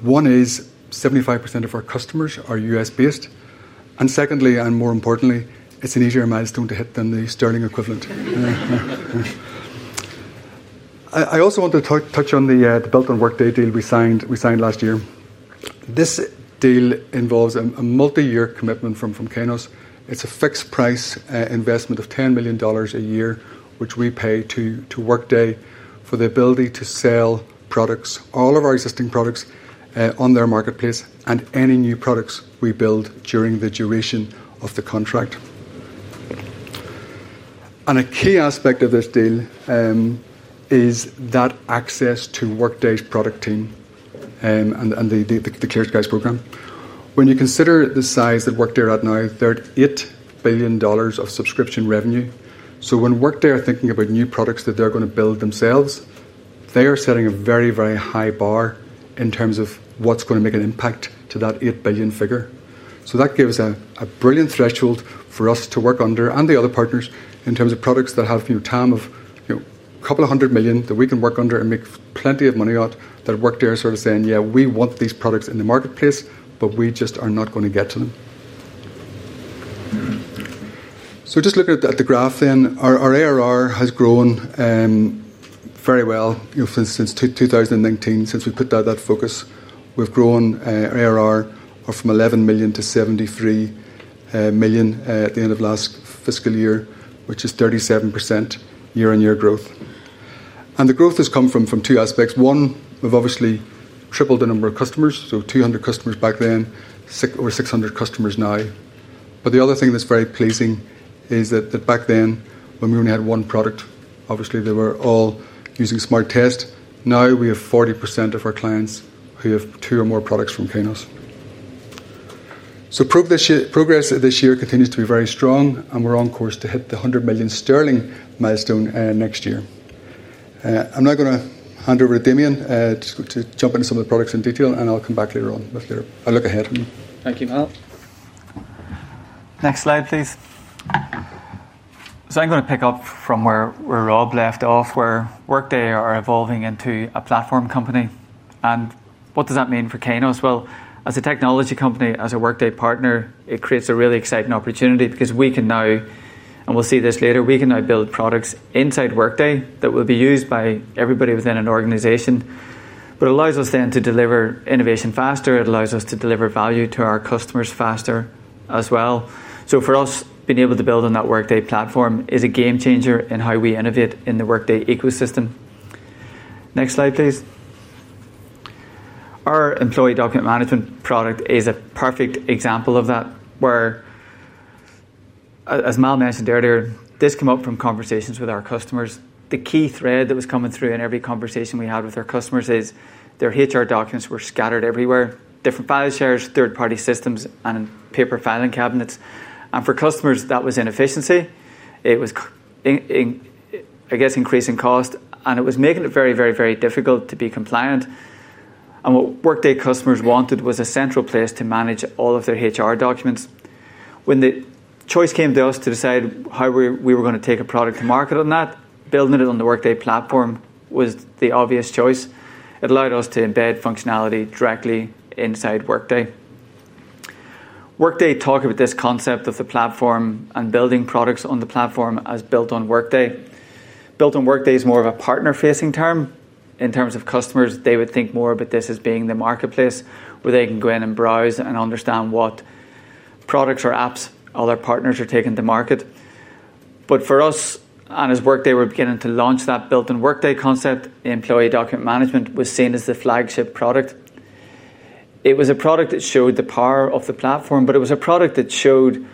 One is 75% of our customers are U.S.-based. More importantly, it's an easier milestone to hit than the sterling equivalent. I also want to touch on the Built on Workday deal we signed last year. This deal involves a multi-year commitment from Kainos. It's a fixed-price investment of $10 million a year, which we pay to Workday for the ability to sell products, all of our existing products on their marketplace and any new products we build during the duration of the contract. A key aspect of this deal is access to Workday's product team and the Clear Skies program. When you consider the size that Workday are at now, they're at $8 billion of subscription revenue. When Workday are thinking about new products that they're going to build themselves, they are setting a very, very high bar in terms of what's going to make an impact to that $8 billion figure. That gives us a brilliant threshold for us to work under and the other partners in terms of products that have a total addressable market of a couple of hundred million that we can work under and make plenty of money at. Workday are sort of saying, yeah, we want these products in the Workday Marketplace, but we just are not going to get to them. Just looking at the graph then, our ARR has grown very well since 2019. Since we put that focus, we've grown ARR from 11 million-73 million at the end of last fiscal year, which is 37% year-on-year growth. The growth has come from two aspects. One, we've obviously tripled the number of customers. So 200 customers back then, over 600 customers now. The other thing that's very pleasing is that back then, when we only had one product, obviously they were all using Smart Test. Now, we have 40% of our clients who have two or more products from Kainos. Progress this year continues to be very strong, and we're on course to hit the 100 million sterling milestone next year. I'm now going to hand over to Damien to jump into some of the products in detail. I'll come back later on, but I look ahead. Thank you, Rob. Next slide, please. I'm going to pick up from where Rob left off, where Workday are evolving into a platform company. What does that mean for Kainos? As a technology company, as a Workday partner, it creates a really exciting opportunity because we can now, and we'll see this later, build products inside Workday that will be used by everybody within an organization. It allows us to deliver innovation faster. It allows us to deliver value to our customers faster as well. For us, being able to build on that Workday platform is a game changer in how we innovate in the Workday ecosystem. Next slide, please. Our Employee Document Management product is a perfect example of that, where, as Mal mentioned earlier, this came up from conversations with our customers. The key thread that was coming through in every conversation we had with our customers is their HR documents were scattered everywhere, different file shares, third-party systems, and in paper filing cabinets. For customers, that was inefficiency. It was, I guess, increasing cost. It was making it very, very, very difficult to be compliant. What Workday customers wanted was a central place to manage all of their HR documents. When the choice came to us to decide how we were going to take a product to market on that, building it on the Workday platform was the obvious choice. It allowed us to embed functionality directly inside Workday. Workday talked about this concept of the platform and building products on the platform as built on Workday. Built on Workday is more of a partner-facing term. In terms of customers, they would think more about this as being the marketplace where they can go in and browse and understand what products or apps other partners are taking to market. For us, and as Workday were beginning to launch that built on Workday concept, Employee Document Management was seen as the flagship product. It was a product that showed the power of the platform. It was a product that showed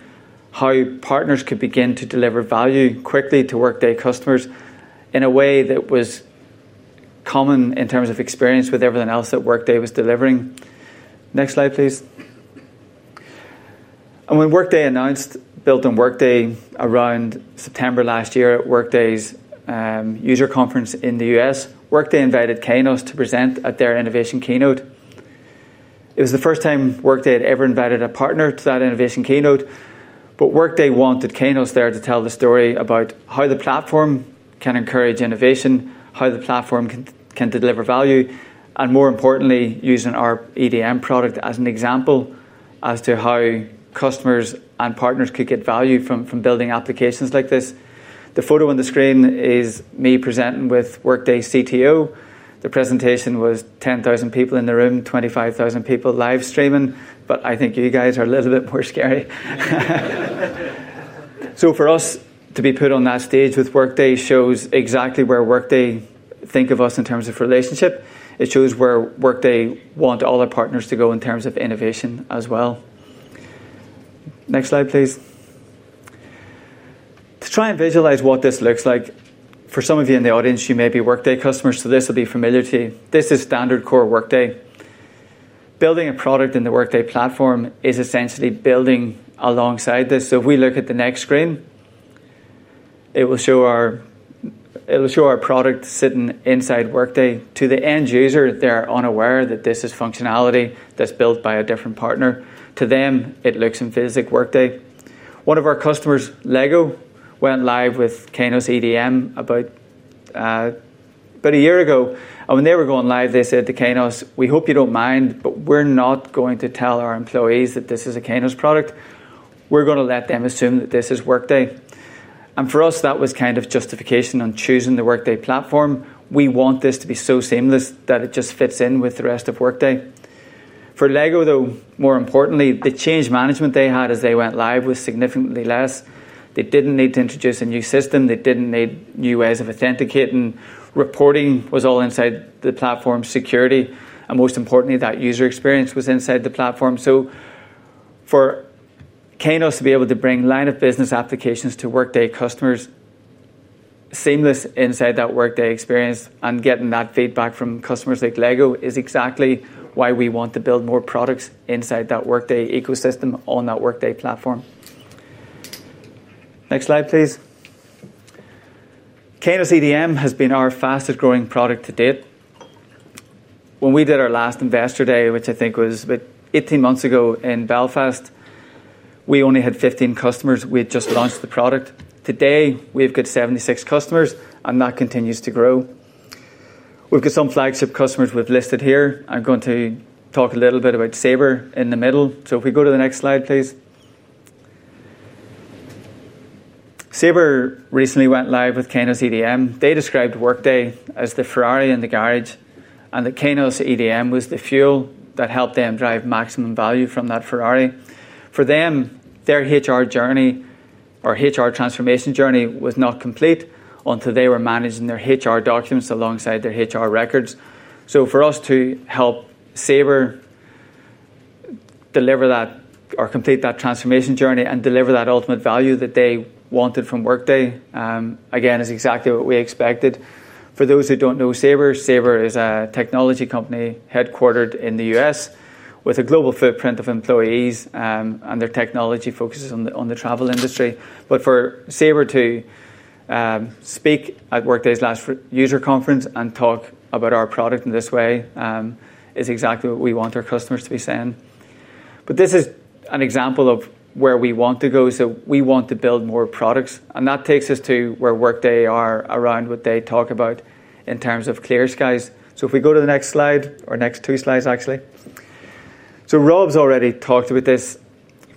how partners could begin to deliver value quickly to Workday customers in a way that was common in terms of experience with everything else that Workday was delivering. Next slide, please. When Workday announced built on Workday around September last year at Workday's user conference in the U.S., Workday invited Kainos to present at their innovation keynote. It was the first time Workday had ever invited a partner to that innovation keynote. Workday wanted Kainos there to tell the story about how the platform can encourage innovation, how the platform can deliver value, and more importantly, using our EDM product as an example as to how customers and partners could get value from building applications like this. The photo on the screen is me presenting with Workday's CTO. The presentation was 10,000 people in the room, 25,000 people live streaming. I think you guys are a little bit more scary. For us, to be put on that stage with Workday shows exactly where Workday thinks of us in terms of relationship. It shows where Workday wants all our partners to go in terms of innovation as well. Next slide, please. To try and visualize what this looks like, for some of you in the audience, you may be Workday customers. This will be familiar to you. This is standard core Workday. Building a product in the Workday platform is essentially building alongside this. If we look at the next screen, it will show our product sitting inside Workday. To the end user, they're unaware that this is functionality that's built by a different partner. To them, it looks and feels like Workday. One of our customers, Lego, went live with Kainos EDM about a year ago. When they were going live, they said to Kainos, "We hope you don't mind. We're not going to tell our employees that this is a Kainos product. We're going to let them assume that this is Workday." For us, that was kind of justification on choosing the Workday platform. We want this to be so seamless that it just fits in with the rest of Workday. For Lego, more importantly, the change management they had as they went live was significantly less. They didn't need to introduce a new system. They didn't need new ways of authenticating. Reporting was all inside the platform security. Most importantly, that user experience was inside the platform. For Kainos to be able to bring line-of-business applications to Workday customers seamless inside that Workday experience and getting that feedback from customers like Lego is exactly why we want to build more products inside that Workday ecosystem on that Workday platform. Next slide, please. Kainos EDM has been our fastest growing product to date. When we did our last investor day, which I think was about 18 months ago in Belfast, we only had 15 customers. We had just launched the product. Today, we have got 76 customers, and that continues to grow. We've got some flagship customers we've listed here. I'm going to talk a little bit about Sabre in the middle. If we go to the next slide, please. Sabre recently went live with Kainos EDM. They described Workday as the Ferrari in the garage, and that Kainos EDM was the fuel that helped them drive maximum value from that Ferrari. For them, their HR journey, or HR transformation journey, was not complete until they were managing their HR documents alongside their HR records. For us to help Sabre deliver that or complete that transformation journey and deliver that ultimate value that they wanted from Workday is exactly what we expected. For those who don't know Sabre, Sabre is a technology company headquartered in the U.S. with a global footprint of employees, and their technology focuses on the travel industry. For Sabre to speak at Workday's last user conference and talk about our product in this way is exactly what we want our customers to be saying. This is an example of where we want to go. We want to build more products, and that takes us to where Workday are around what they talk about in terms of Clear Skies. If we go to the next slide, or next two slides, actually. Rob's already talked about this.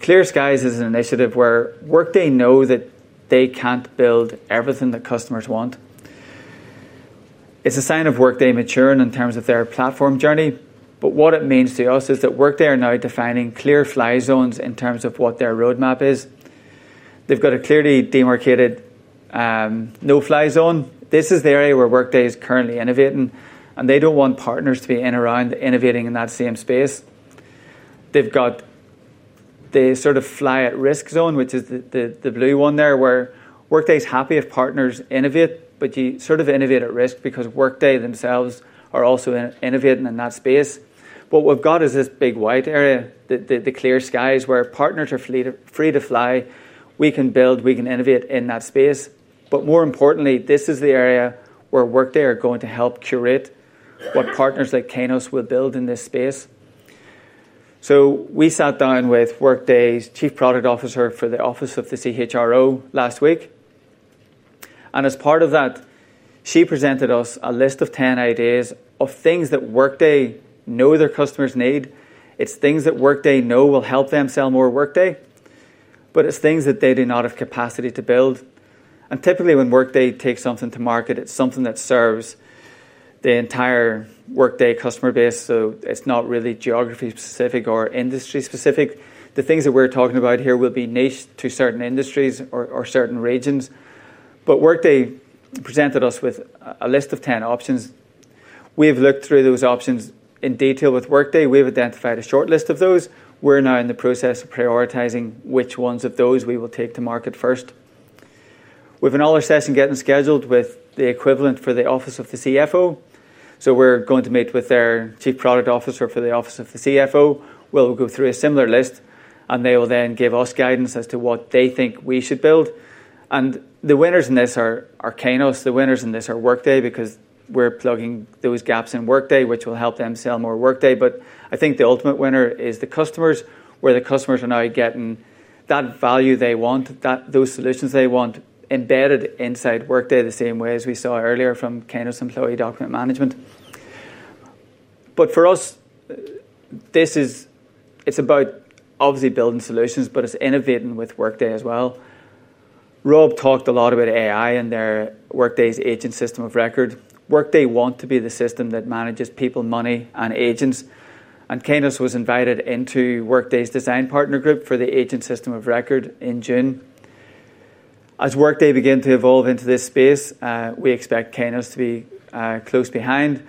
Clear Skies is an initiative where Workday knows that they can't build everything that customers want. It's a sign of Workday maturing in terms of their platform journey. What it means to us is that Workday are now defining clear fly zones in terms of what their roadmap is. They've got a clearly demarcated no-fly zone. This is the area where Workday is currently innovating, and they don't want partners to be in and around innovating in that same space. They've got the sort of fly-at-risk zone, which is the blue one there, where Workday is happy if partners innovate, but you sort of innovate at risk because Workday themselves are also innovating in that space. What we've got is this big white area, the clear skies, where partners are free to fly. We can build, we can innovate in that space. More importantly, this is the area where Workday are going to help curate what partners like Kainos will build in this space. We sat down with Workday's Chief Product Officer for the Office of the CHRO last week, and as part of that, she presented us a list of 10 ideas of things that Workday knows their customers need. It's things that Workday knows will help them sell more Workday, but it's things that they do not have capacity to build. Typically, when Workday takes something to market, it's something that serves the entire Workday customer base. It's not really geography-specific or industry-specific. The things that we're talking about here will be niche to certain industries or certain regions. Workday presented us with a list of 10 options. We've looked through those options in detail with Workday. We've identified a short list of those. We're now in the process of prioritizing which ones of those we will take to market first. We have another session getting scheduled with the equivalent for the Office of the CFO. We're going to meet with their Chief Product Officer for the Office of the CFO. We'll go through a similar list. They will then give us guidance as to what they think we should build. The winners in this are Kainos. The winners in this are Workday because we're plugging those gaps in Workday, which will help them sell more Workday. I think the ultimate winner is the customers, where the customers are now getting that value they want, those solutions they want, embedded inside Workday the same way as we saw earlier from Kainos Employee Document Management. For us, it's about obviously building solutions, but it's innovating with Workday as well. Rob talked a lot about AI and Workday's agent system of record. Workday wants to be the system that manages people, money, and agents. Kainos was invited into Workday's design partner group for the agent system of record in June. As Workday begins to evolve into this space, we expect Kainos to be close behind.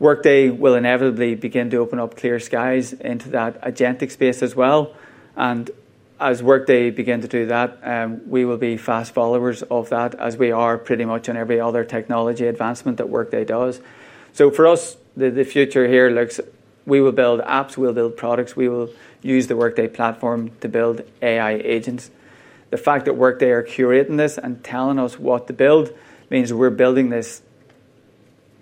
Workday will inevitably begin to open up Clear Skies into that agentic space as well. As Workday begins to do that, we will be fast followers of that, as we are pretty much on every other technology advancement that Workday does. For us, the future here looks like we will build apps. We'll build products. We will use the Workday platform to build AI agents. The fact that Workday are curating this and telling us what to build means we're building this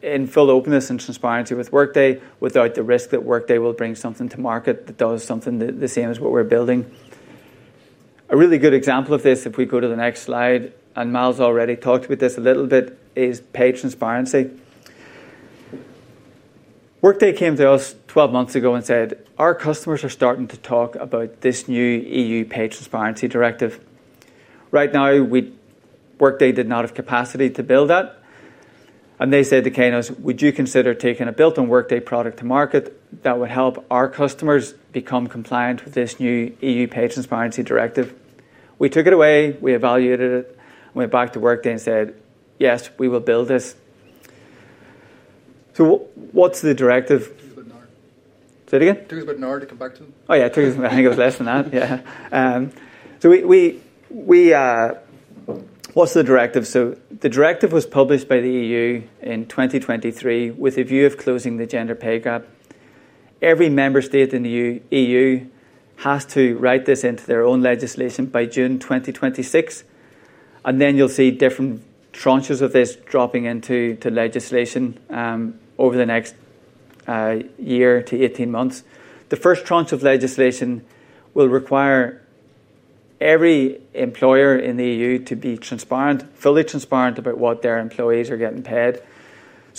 in full openness and transparency with Workday without the risk that Workday will bring something to market that does something the same as what we're building. A really good example of this, if we go to the next slide, and Mal's already talked about this a little bit, is pay transparency. Workday came to us 12 months ago and said, our customers are starting to talk about this new EU pay transparency directive. Right now, Workday did not have capacity to build that. They said to Kainos, would you consider taking a built on Workday product to market that would help our customers become compliant with this new EU pay transparency directive? We took it away, evaluated it, and went back to Workday and said, yes, we will build this. What's the directive? It took us about an hour. Say it again? It took us about an hour to come back to them. Oh, yeah, it took us. I think it was less than that. Yeah. What's the directive? The directive was published by the EU in 2023 with a view of closing the gender pay gap. Every member state in the EU has to write this into their own legislation by June 2026. You'll see different tranches of this dropping into legislation over the next year to 18 months. The first tranche of legislation will require every employer in the EU to be fully transparent about what their employees are getting paid.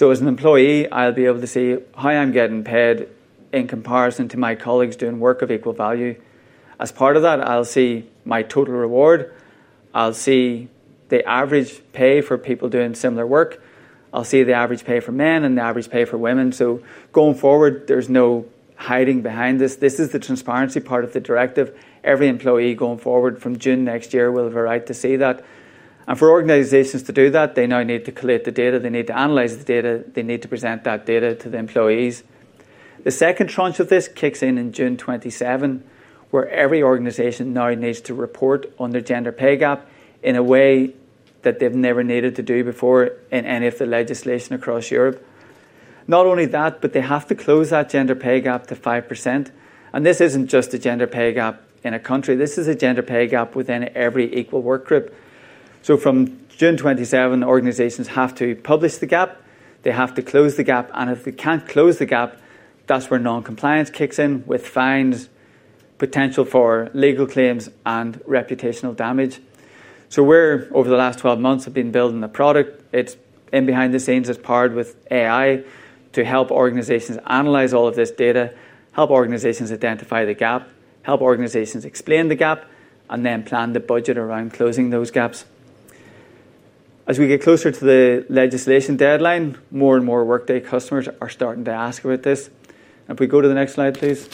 As an employee, I'll be able to see how I'm getting paid in comparison to my colleagues doing work of equal value. As part of that, I'll see my total reward, the average pay for people doing similar work, the average pay for men, and the average pay for women. Going forward, there's no hiding behind this. This is the transparency part of the directive. Every employee going forward from June next year will have a right to see that. For organizations to do that, they now need to collect the data, analyze the data, and present that data to the employees. The second tranche of this kicks in in June 2027, where every organization now needs to report on their gender pay gap in a way that they've never needed to do before in any of the legislation across Europe. Not only that, but they have to close that gender pay gap to 5%. This isn't just a gender pay gap in a country. This is a gender pay gap within every equal work group. From June 2027, organizations have to publish the gap, close the gap, and if they can't close the gap, that's where non-compliance kicks in with fines, potential for legal claims, and reputational damage. Over the last 12 months, we have been building the product. It's in behind the scenes. It's paired with AI to help organizations analyze all of this data, help organizations identify the gap, help organizations explain the gap, and then plan the budget around closing those gaps. As we get closer to the legislation deadline, more and more Workday customers are starting to ask about this. If we go to the next slide, please.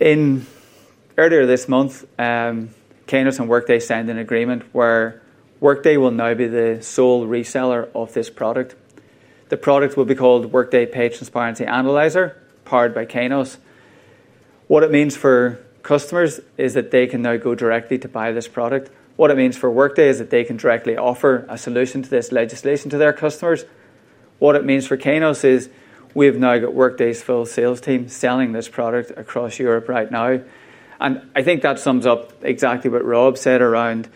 Earlier this month, Kainos and Workday signed an agreement where Workday will now be the sole reseller of this product. The product will be called Workday Pay Transparency Analyzer, powered by Kainos. What it means for customers is that they can now go directly to buy this product. What it means for Workday is that they can directly offer a solution to this legislation to their customers. What it means for Kainos is we have now got Workday's full sales team selling this product across Europe right now. I think that sums up exactly what Rob said around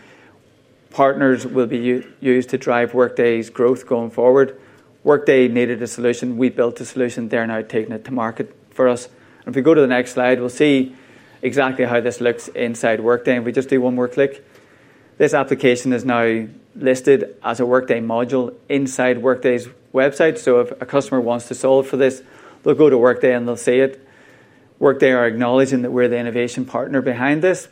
partners will be used to drive Workday's growth going forward. Workday needed a solution. We built a solution. They're now taking it to market for us. If we go to the next slide, we'll see exactly how this looks inside Workday. If we just do one more click, this application is now listed as a Workday module inside Workday's website. If a customer wants to solve for this, they'll go to Workday. They'll see it. Workday are acknowledging that we're the innovation partner behind this.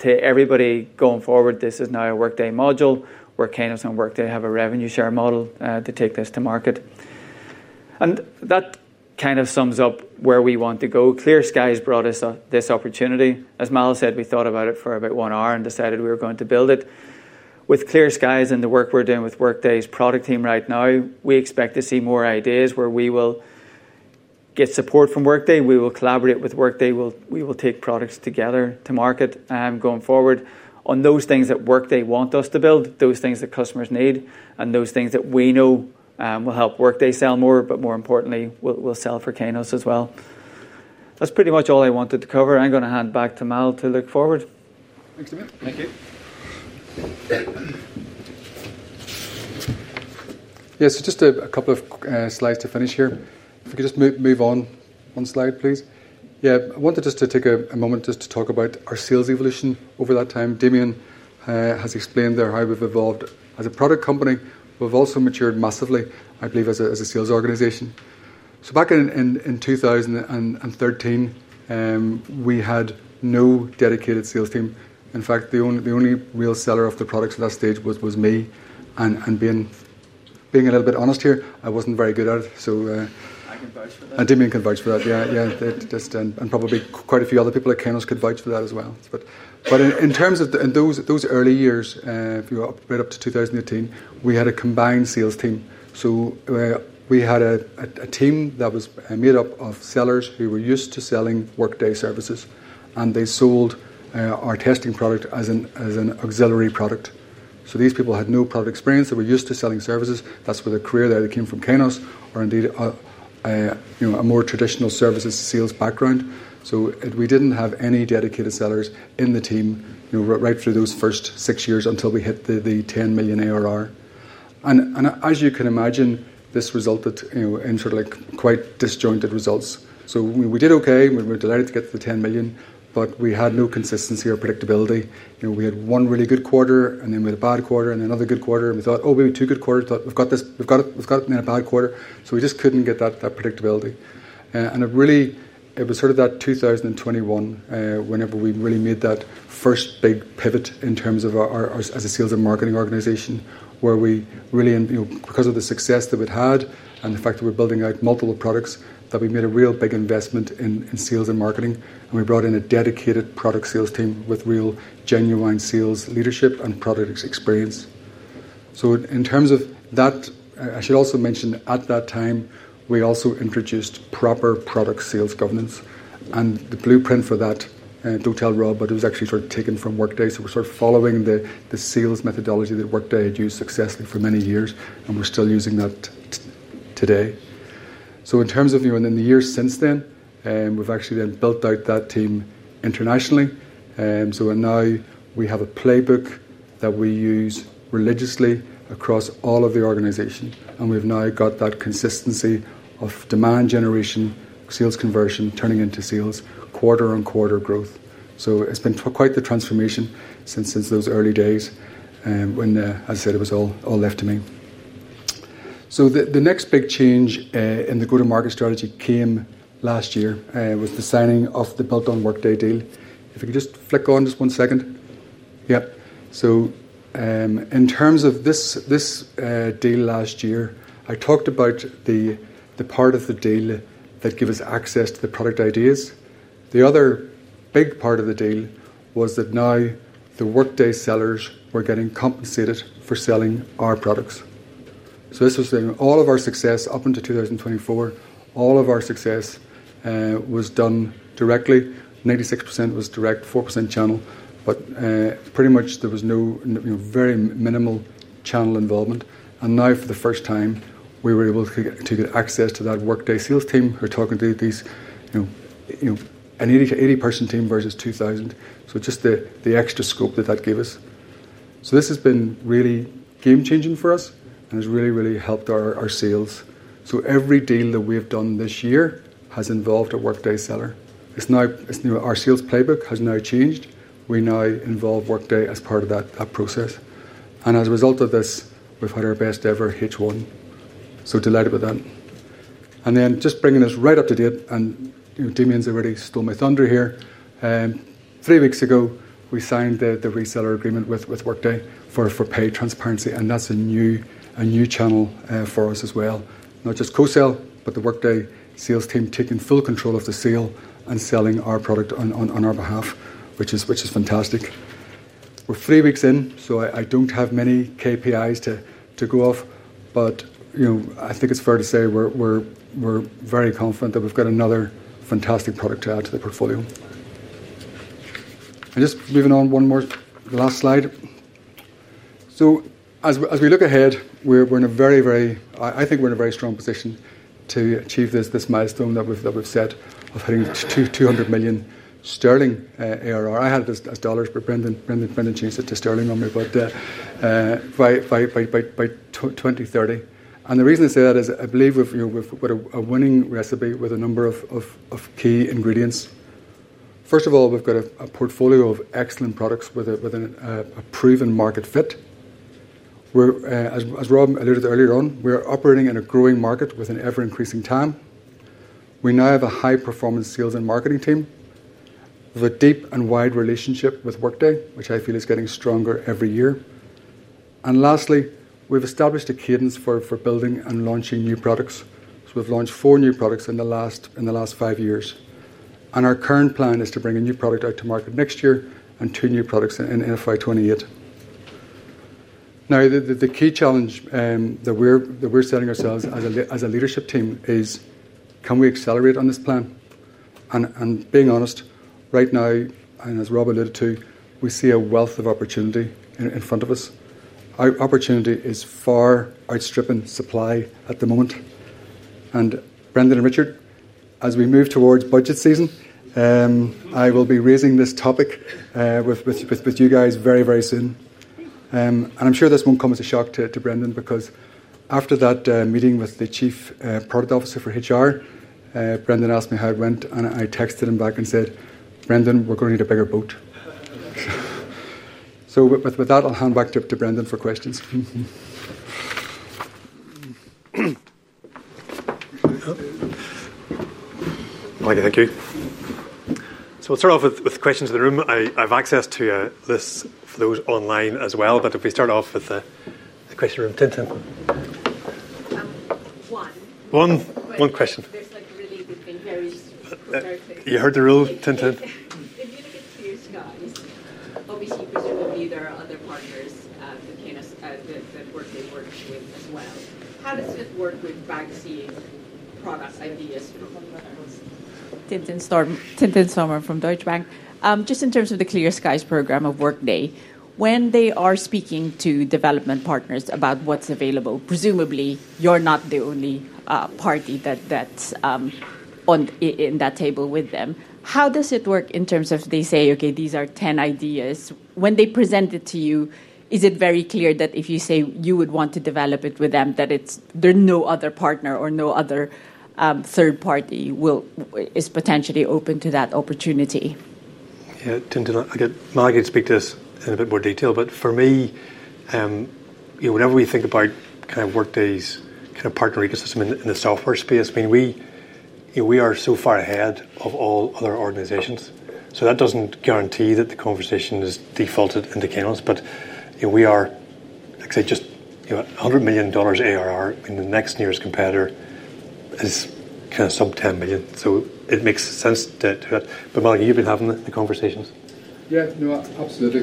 To everybody going forward, this is now a Workday module where Kainos and Workday have a revenue share model to take this to market. That kind of sums up where we want to go. Clear Skies brought us this opportunity. As Mal said, we thought about it for about one hour and decided we were going to build it. With Clear Skies and the work we're doing with Workday's product team right now, we expect to see more ideas where we will get support from Workday. We will collaborate with Workday. We will take products together to market going forward on those things that Workday wants us to build, those things that customers need, and those things that we know will help Workday sell more, but more importantly, will sell for Kainos as well. That's pretty much all I wanted to cover. I'm going to hand back to Mal to look forward. Thanks, Damien. Thank you. Yeah, just a couple of slides to finish here. If we could just move on one slide, please. I wanted just to take a moment to talk about our sales evolution over that time. Damien has explained there how we've evolved as a product company. We've also matured massively, I believe, as a sales organization. Back in 2013, we had no dedicated sales team. In fact, the only real seller of the products at that stage was me. Being a little bit honest here, I wasn't very good at it. I can vouch for that. Damien can vouch for that. Yeah, yeah. Quite a few other people at Kainos could vouch for that as well. In terms of those early years, if you go right up to 2018, we had a combined sales team. We had a team that was made up of sellers who were used to selling Workday Services, and they sold our testing product as an auxiliary product. These people had no product experience. They were used to selling services. That's where the career that came from Kainos or indeed a more traditional services sales background. We didn't have any dedicated sellers in the team right through those first six years until we hit the $10 million ARR. As you can imagine, this resulted in quite disjointed results. We did OK. We were delighted to get to the $10 million, but we had no consistency or predictability. We had one really good quarter, then we had a bad quarter and another good quarter. We thought, oh, maybe two good quarters, we've got it, then a bad quarter. We just couldn't get that predictability. It was 2021 whenever we really made that first big pivot in terms of our sales and marketing organization, where we really, because of the success that we'd had and the fact that we're building out multiple products, made a real big investment in sales and marketing. We brought in a dedicated product sales team with real genuine sales leadership and product experience. I should also mention at that time, we also introduced proper product sales governance. The blueprint for that, don't tell Rob, but it was actually sort of taken from Workday. We're following the sales methodology that Workday had used successfully for many years, and we're still using that today. In the years since then, we've actually built out that team internationally. Now we have a playbook that we use religiously across all of the organization, and we've now got that consistency of demand generation, sales conversion turning into sales, quarter on quarter growth. It's been quite the transformation since those early days when, as I said, it was all left to me. The next big change in the go-to-market strategy came last year with the signing of the built on Workday deal. If you could just flick on just one second. In terms of this deal last year, I talked about the part of the deal that gave us access to the product ideas. The other big part of the deal was that now the Workday sellers were getting compensated for selling our products. This was all of our success up until 2024. All of our success was done directly. 96% was direct, 4% channel. There was very minimal channel involvement. Now, for the first time, we were able to get access to that Workday sales team who are talking to these, an 80% team versus 2,000. Just the extra scope that that gave us. This has been really game changing for us and has really, really helped our sales. Every deal that we've done this year has involved a Workday seller. Our sales playbook has now changed. We now involve Workday as part of that process. As a result of this, we've had our best ever H1. Delighted with that. Just bringing this right up to date, and Damien's already stole my thunder here. Three weeks ago, we signed the reseller agreement with Workday for pay transparency. That's a new channel for us as well. Not just co-sell, but the Workday sales team taking full control of the sale and selling our product on our behalf, which is fantastic. We're three weeks in. I don't have many KPIs to go off. I think it's fair to say we're very confident that we've got another fantastic product to add to the portfolio. Moving on one more last slide. As we look ahead, we're in a very, very strong position to achieve this milestone that we've set, of hitting 200 million sterling ARR. I had it as dollars, but Brendan changed it to sterling on me, by 2030. The reason I say that is I believe we've got a winning recipe with a number of key ingredients. First of all, we've got a portfolio of excellent products with a proven market fit. As Rob alluded earlier on, we are operating in a growing market with an ever-increasing TAM. We now have a high-performance sales and marketing team. We have a deep and wide relationship with Workday, which I feel is getting stronger every year. Lastly, we've established a cadence for building and launching new products. We've launched four new products in the last five years. Our current plan is to bring a new product out to market next year and two new products in FY 2028. The key challenge that we're setting ourselves as a leadership team is, can we accelerate on this plan? Being honest, right now, and as Rob alluded to, we see a wealth of opportunity in front of us. Our opportunity is far outstripping supply at the moment. Brendan and Richard, as we move towards budget season, I will be raising this topic with you guys very, very soon. I'm sure this won't come as a shock to Brendan because after that meeting with the Chief Product Officer for HR, Brendan asked me how it went. I texted him back and said, Brendan, we're going to need a bigger boat. With that, I'll hand back to Brendan for questions. Thank you. We'll start off with questions in the room. I have access to this for those online as well. If we start off with the question in the room, Tintin. One. One question. There's a really big thing here. You heard the rule, Tintin. If you look at Clear Skies, obviously, presumably, there are other partners that Workday works with as well. How does it work with Kainos products, ideas? Just in terms of the Clear Skies program of Workday, when they are speaking to development partners about what's available, presumably, you're not the only party that's on that table with them. How does it work in terms of they say, OK, these are 10 ideas? When they present it to you, is it very clear that if you say you would want to develop it with them, that there's no other partner or no other third party is potentially open to that opportunity? Yeah, Tintin. I'll get Mal again to speak to this in a bit more detail. For me, whenever we think about Workday's partner ecosystem in the software space, we are so far ahead of all other organizations. That doesn't guarantee that the conversation is defaulted into Kainos. We are, like I said, just $100 million ARR, and the next nearest competitor is sub $10 million. It makes sense to do that. Malachy, you've been having the conversations? Yeah, no, absolutely.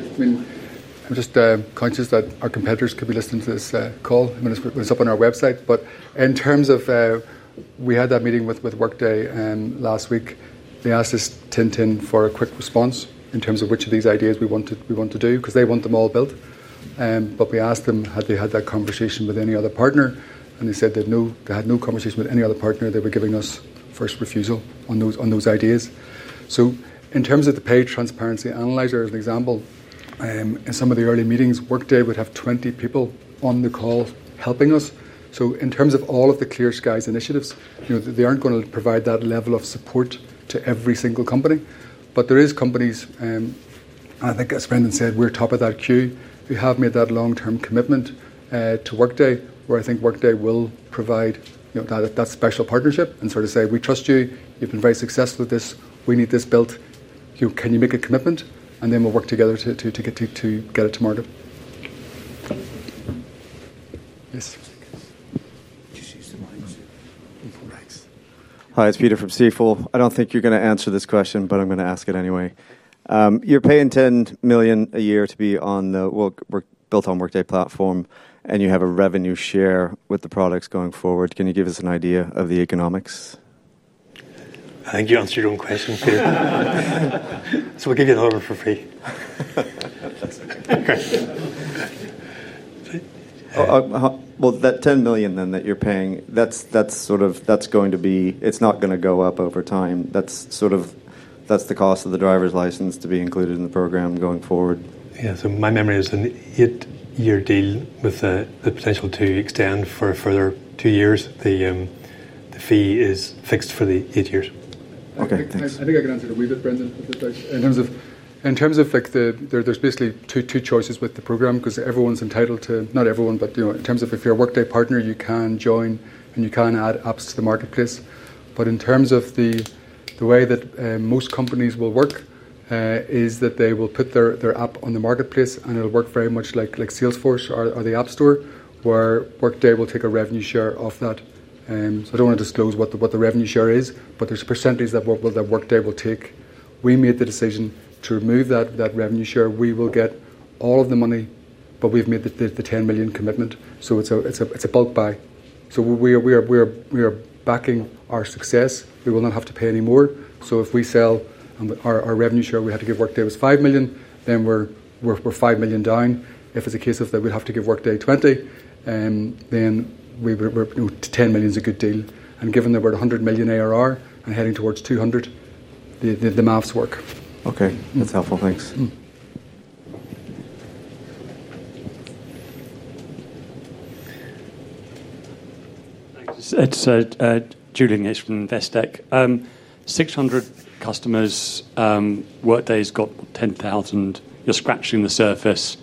I'm just conscious that our competitors could be listening to this call when it's up on our website. In terms of, we had that meeting with Workday last week. They asked us. Tintin For a quick response in terms of which of these ideas we want to do because they want them all built, we asked them had they had that conversation with any other partner, and they said they had no conversation with any other partner. They were giving us first refusal on those ideas. In terms of the Pay Transparency Analyzer as an example, in some of the early meetings, Workday would have 20 people on the call helping us. In terms of all of the Clear Skies initiatives, they are not going to provide that level of support to every single company, but there are companies, and I think, as Brendan said, we are top of that queue. We have made that long-term commitment to Workday, where I think Workday will provide that special partnership and sort of say, "We trust you. You've been very successful with this. We need this built. Can you make a commitment? And then we'll work together to get it to market. Thank you. Yes. Just use the mic. Hi, it's Peter from C4. I don't think you're going to answer this question, but I'm going to ask it anyway. You're paying $10 million a year to be on the built on Workday platform, and you have a revenue share with the products going forward. Can you give us an idea of the economics? I think you answered your own question, Peter. We'll give you the hardware for free. The $10 million that you're paying, that's going to be, it's not going to go up over time. That's the cost of the driver's license to be included in the program going forward. Yeah, my memory is that you're dealing with the potential to extend for a further two years. The fee is fixed for the eight years. OK, thanks. I think I can answer the weave that Brendan put there. In terms of, there's basically two choices with the program because everyone's entitled to, not everyone, but in terms of if you're a Workday partner, you can join and you can add apps to the Workday Marketplace. In terms of the way that most companies will work, they will put their app on the Workday Marketplace, and it'll work very much like Salesforce or the App Store, where Workday will take a revenue share off that. I don't want to disclose what the revenue share is, but there's a percentage that Workday will take. We made the decision to remove that revenue share. We will get all of the money, but we've made the $10 million commitment. It's a bulk buy. We are backing our success. We will not have to pay any more. If we sell, our revenue share we had to give Workday was $5 million, then we're $5 million down. If it's a case that we'd have to give Workday $20 million, then $10 million is a good deal. Given that we're at $100 million ARR and heading towards $200 million, the maths work. OK, that's helpful. Thanks. Julian here from Investec. 600 customers, Workday's got 10,000. You're scratching the surface.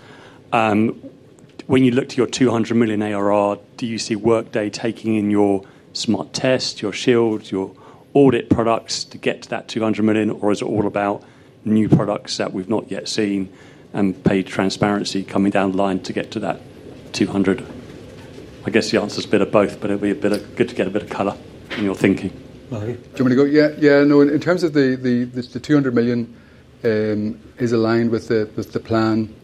When you look to your $200 million ARR, do you see Workday taking in your Smart Test, your Smart Shield, your Smart Audit products to get to that $200 million? Or is it all about new products that we've not yet seen and Pay Transparency coming down the line to get to that $200 million? I guess the answer is a bit of both, but it'll be good to get a bit of color in your thinking. Do you want me to go? In terms of the $200 million, it's aligned with the plan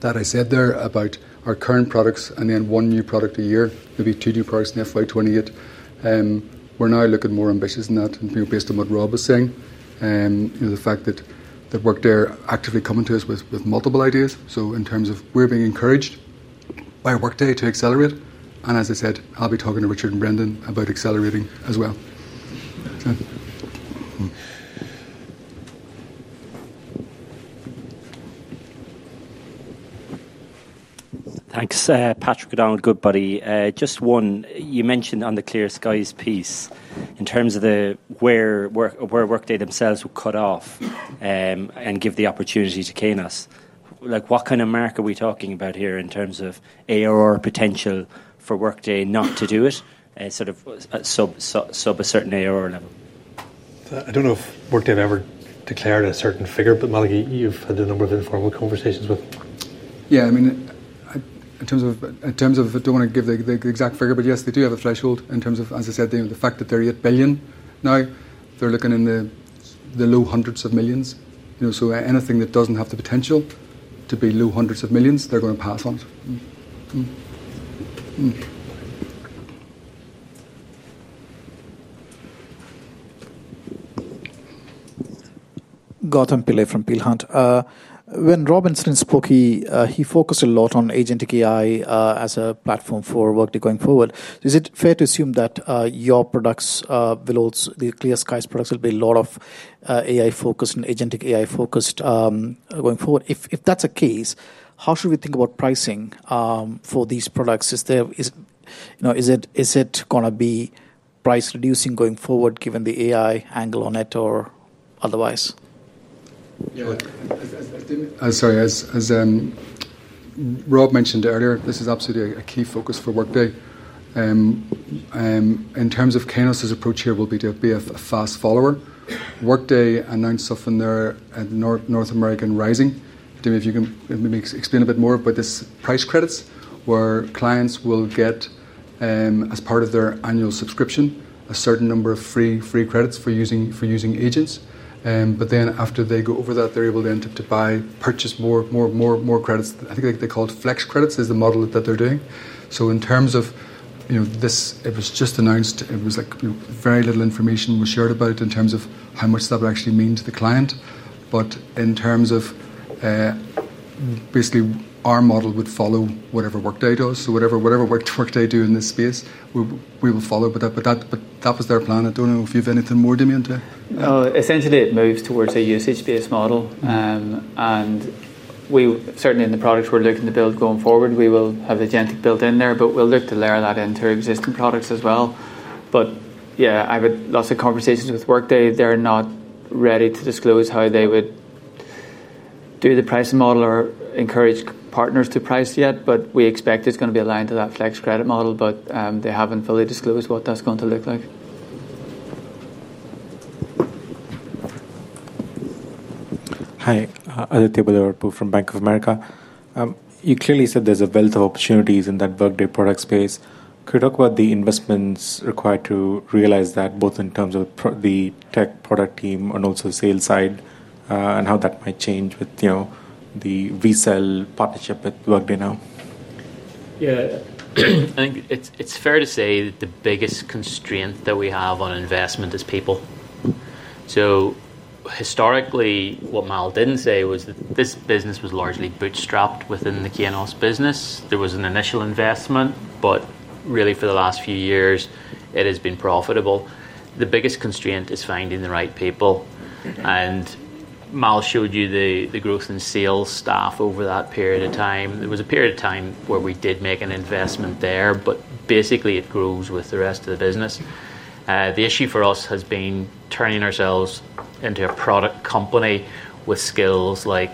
that I said there about our current products and then one new product a year, maybe two new products in FY 2028. We're now looking more ambitious than that, based on what Rob was saying, the fact that Workday are actively coming to us with multiple ideas. We're being encouraged by Workday to accelerate. As I said, I'll be talking to Richard and Brendan about accelerating as well. Thanks. Patrick O'Donnell, Goodbody. Just one, you mentioned on the Clear Skies piece, in terms of where Workday themselves will cut off and give the opportunity to Kainos. What kind of mark are we talking about here in terms of ARR potential for Workday not to do it, sort of sub a certain ARR level? I don't know if Workday have ever declared a certain figure, but Malachy, you've had a number of informal conversations with them. Yeah, I mean, in terms of, I don't want to give the exact figure, but yes, they do have a threshold in terms of, as I said, the fact that they're at $8 billion now. They're looking in the low hundreds of millions. Anything that doesn't have the potential to be low hundreds of millions, they're going to pass on. Gautam Pillai from Peel Hunt. when Rob Enslin spoke, he focused a lot on agentic AI as a platform for Workday going forward. Is it fair to assume that your products, the Clear Skies products, will be a lot of AI-focused and agentic AI-focused going forward? If that's the case, how should we think about pricing for these products? Is it going to be price-reducing going forward, given the AI angle on it or otherwise? Yeah, sorry. As Rob mentioned earlier, this is absolutely a key focus for Workday. In terms of Kainos's approach here, it will be to be a fast follower. Workday announced stuff in their North American Rising. Maybe you can explain a bit more about this price credits, where clients will get, as part of their annual subscription, a certain number of free credits for using agents. After they go over that, they're able then to buy, purchase more credits. I think they call it flex credits, is the model that they're doing. In terms of this, it was just announced. Very little information was shared about it in terms of how much that would actually mean to the client. Basically, our model would follow whatever Workday does. Whatever Workday do in this space, we will follow with that. That was their plan. I don't know if you have anything more, Damien, to add? Essentially, it moves towards a usage-based model. Certainly, in the products we're looking to build going forward, we will have agentic AI built in there. We'll look to layer that into our existing products as well. I've had lots of conversations with Workday. They're not ready to disclose how they would do the pricing model or encourage partners to price yet. We expect it's going to be aligned to that flex credit model. They haven't fully disclosed what that's going to look like. Hi, other table there, Boo from Bank of America. You clearly said there's a wealth of opportunities in that Workday Products space. Could you talk about the investments required to realize that, both in terms of the tech product team and also the sales side, and how that might change with the partnership with Workday now? Yeah, I think it's fair to say that the biggest constraint that we have on investment is people. Historically, what Mal didn't say was that this business was largely bootstrapped within the Kainos business. There was an initial investment, but really, for the last few years, it has been profitable. The biggest constraint is finding the right people. Mal showed you the growth in sales staff over that period of time. There was a period of time where we did make an investment there. Basically, it grows with the rest of the business. The issue for us has been turning ourselves into a product company with skills like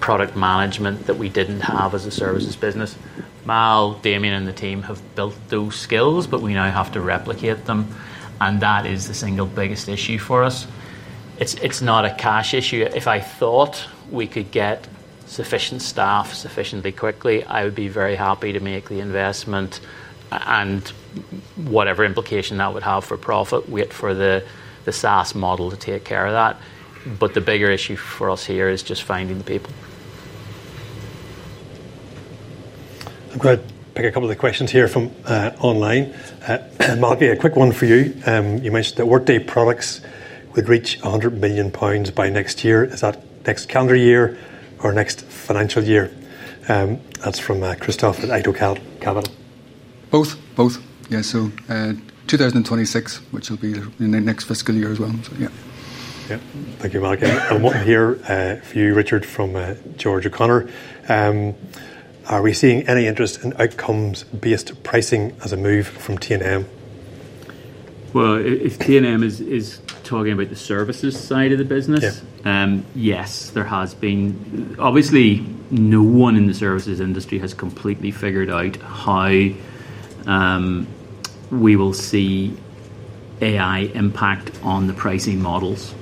product management that we didn't have as a services business. Mal, Damien, and the team have built those skills, but we now have to replicate them. That is the single biggest issue for us. It's not a cash issue. If I thought we could get sufficient staff sufficiently quickly, I would be very happy to make the investment and whatever implication that would have for profit, wait for the SaaS model to take care of that. The bigger issue for us here is just finding the people. I'm going to pick a couple of the questions here from online. Malachy, a quick one for you. You mentioned that Workday Products would reach 100 million pounds by next year. Is that next calendar year or next financial year? That's from Christoph at Aito Capital. Both. Yeah, so 2026, which will be the next fiscal year as well. Yeah, thank you, Malachy. I want to hear for you, Richard, from George O'Connor. Are we seeing any interest in outcomes-based pricing as a move from T&M? If T&M is talking about the services side of the business, yes, there has been. Obviously, no one in the services industry has completely figured out how we will see AI impact on the pricing models.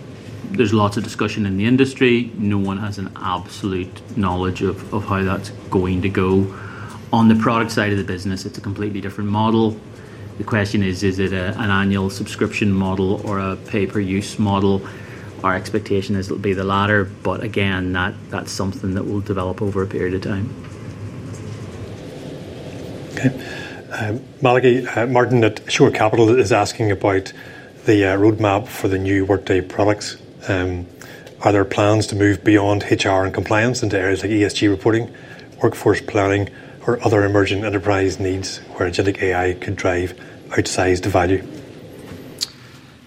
There's lots of discussion in the industry. No one has an absolute knowledge of how that's going to go. On the product side of the business, it's a completely different model. The question is, is it an annual subscription model or a pay-per-use model? Our expectation is it'll be the latter. Again, that's something that will develop over a period of time. OK. Malachy, Martin at Shore Capital is asking about the roadmap for the new Workday Products. Are there plans to move beyond HR and compliance into areas like ESG reporting, workforce planning, or other emerging enterprise needs where agentic AI could drive outsized value?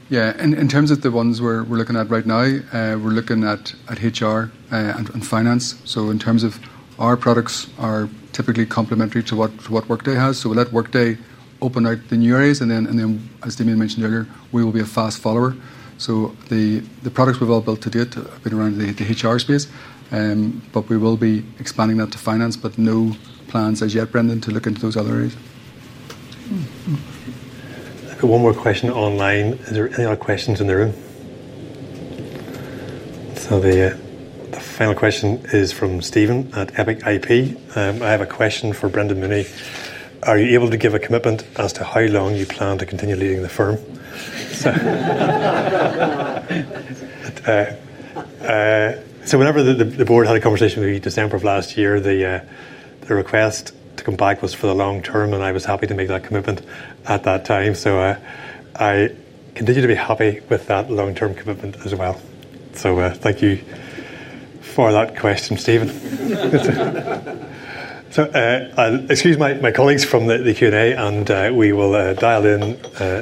Yeah, in terms of the ones we're looking at right now, we're looking at HR and finance. In terms of our products, they are typically complementary to what Workday has. We'll let Workday open out the new areas, and then, as Damien mentioned earlier, we will be a fast follower. The products we've all built to date have been around the HR space. We will be expanding that to finance. No plans as yet, Brendan, to look into those other areas. One more question online. Are there any other questions in the room? The final question is from Stephen at Epic IP. I have a question for Brendan Mooney. Are you able to give a commitment as to how long you plan to continue leading the firm? Whenever the board had a conversation with me in December of last year, the request to come back was for the long term. I was happy to make that commitment at that time. I continue to be happy with that long-term commitment as well. Thank you for that question, Stephen. Excuse my colleagues from the Q&A. We will dial in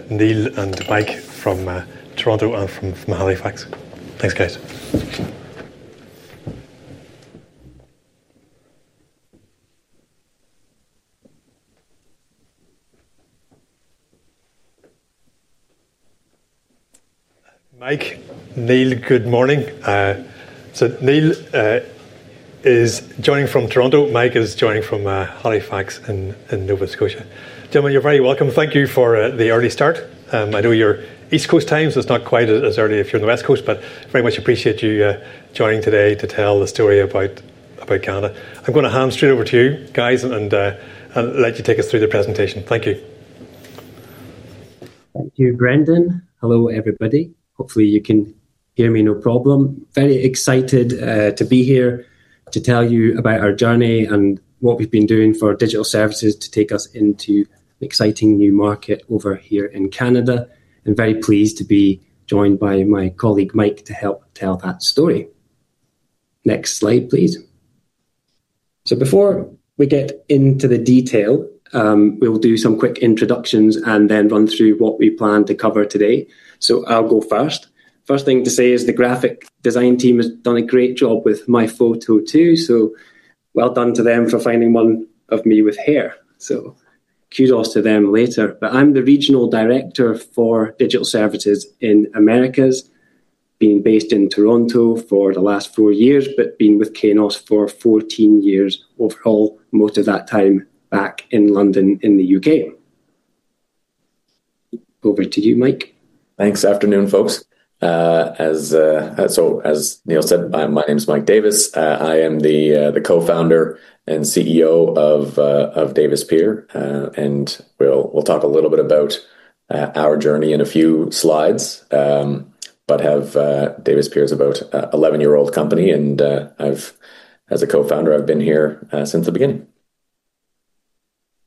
Neil and Mike from Toronto and from Halifax. Thanks, guys. Thank you, Mike. Neil, good morning. Neil is joining from Toronto. Mike is joining from Halifax in Nova Scotia. Gentlemen, you're very welcome. Thank you for the early start. I know you're East Coast time, so it's not quite as early if you're on the West Coast. I very much appreciate you joining today to tell the story about Canada. I'm going to hand straight over to you guys and let you take us through the presentation. Thank you. Thank you, Brendan. Hello, everybody. Hopefully, you can hear me. No problem. Very excited to be here to tell you about our journey and what we've been doing for Digital Services to take us into an exciting new market over here in Canada. Very pleased to be joined by my colleague, Mike, to help tell that story. Next slide, please. Before we get into the detail, we'll do some quick introductions and then run through what we plan to cover today. I'll go first. First thing to say is the graphic design team has done a great job with my photo too. Well done to them for finding one of me with hair. Kudos to them later. I'm the Regional Director for Digital Services in Americas, being based in Toronto for the last four years, but being with Kainos for 14 years overall, most of that time back in London in the U.K. Over to you, Mike. Thanks. Afternoon, folks. As Neil said, my name is Mike Davis. I am the Co-Founder and CEO of Davis Pier. We'll talk a little bit about our journey in a few slides. Davis Pier is about an 11-year-old company, and as a Co-Founder, I've been here since the beginning.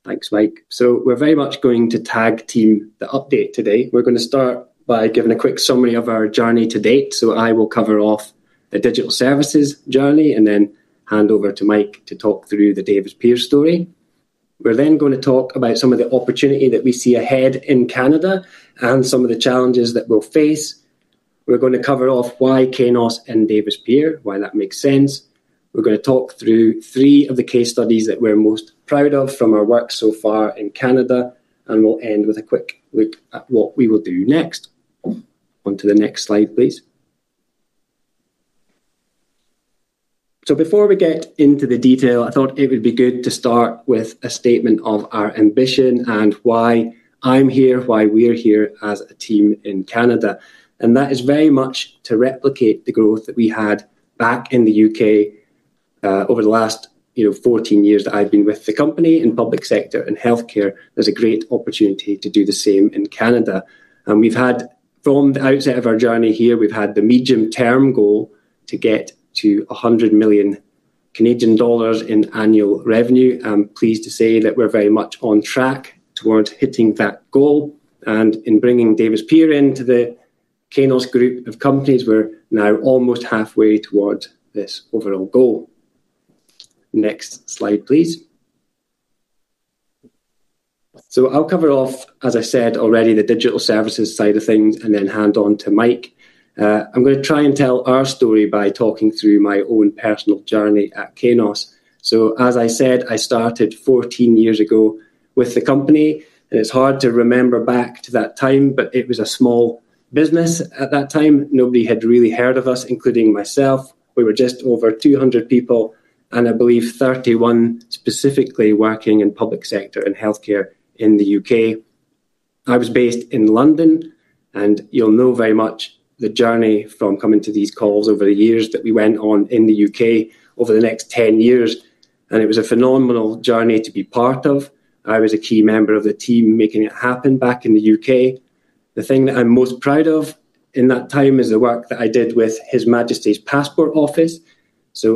Thanks, Mike. We're very much going to tag team the update today. We're going to start by giving a quick summary of our journey to date. I will cover off the Digital Services journey and then hand over to Mike to talk through the Davis Pier story. We're then going to talk about some of the opportunity that we see ahead in Canada and some of the challenges that we'll face. We're going to cover off why Kainos and Davis Pier, why that makes sense. We're going to talk through three of the case studies that we're most proud of from our work so far in Canada. We'll end with a quick look at what we will do next. Onto the next slide, please. Before we get into the detail, I thought it would be good to start with a statement of our ambition and why I'm here, why we're here as a team in Canada. That is very much to replicate the growth that we had back in the U.K. over the last 14 years that I've been with the company in public sector and health care. There's a great opportunity to do the same in Canada. From the outset of our journey here, we've had the medium-term goal to get to 100 million Canadian dollars in annual revenue. I'm pleased to say that we're very much on track towards hitting that goal. In bringing Davis Pier into the Kainos Group of companies, we're now almost halfway towards this overall goal. Next slide, please. I'll cover off, as I said already, the Digital Services side of things and then hand on to Mike. I'm going to try and tell our story by talking through my own personal journey at Kainos. As I said, I started 14 years ago with the company. It's hard to remember back to that time, but it was a small business at that time. Nobody had really heard of us, including myself. We were just over 200 people and, I believe, 31 specifically working in public sector and health care in the U.K. I was based in London. You'll know very much the journey from coming to these calls over the years that we went on in the U.K. over the next 10 years. It was a phenomenal journey to be part of. I was a key member of the team making it happen back in the U.K. The thing that I'm most proud of in that time is the work that I did with His Majesty's Passport Office.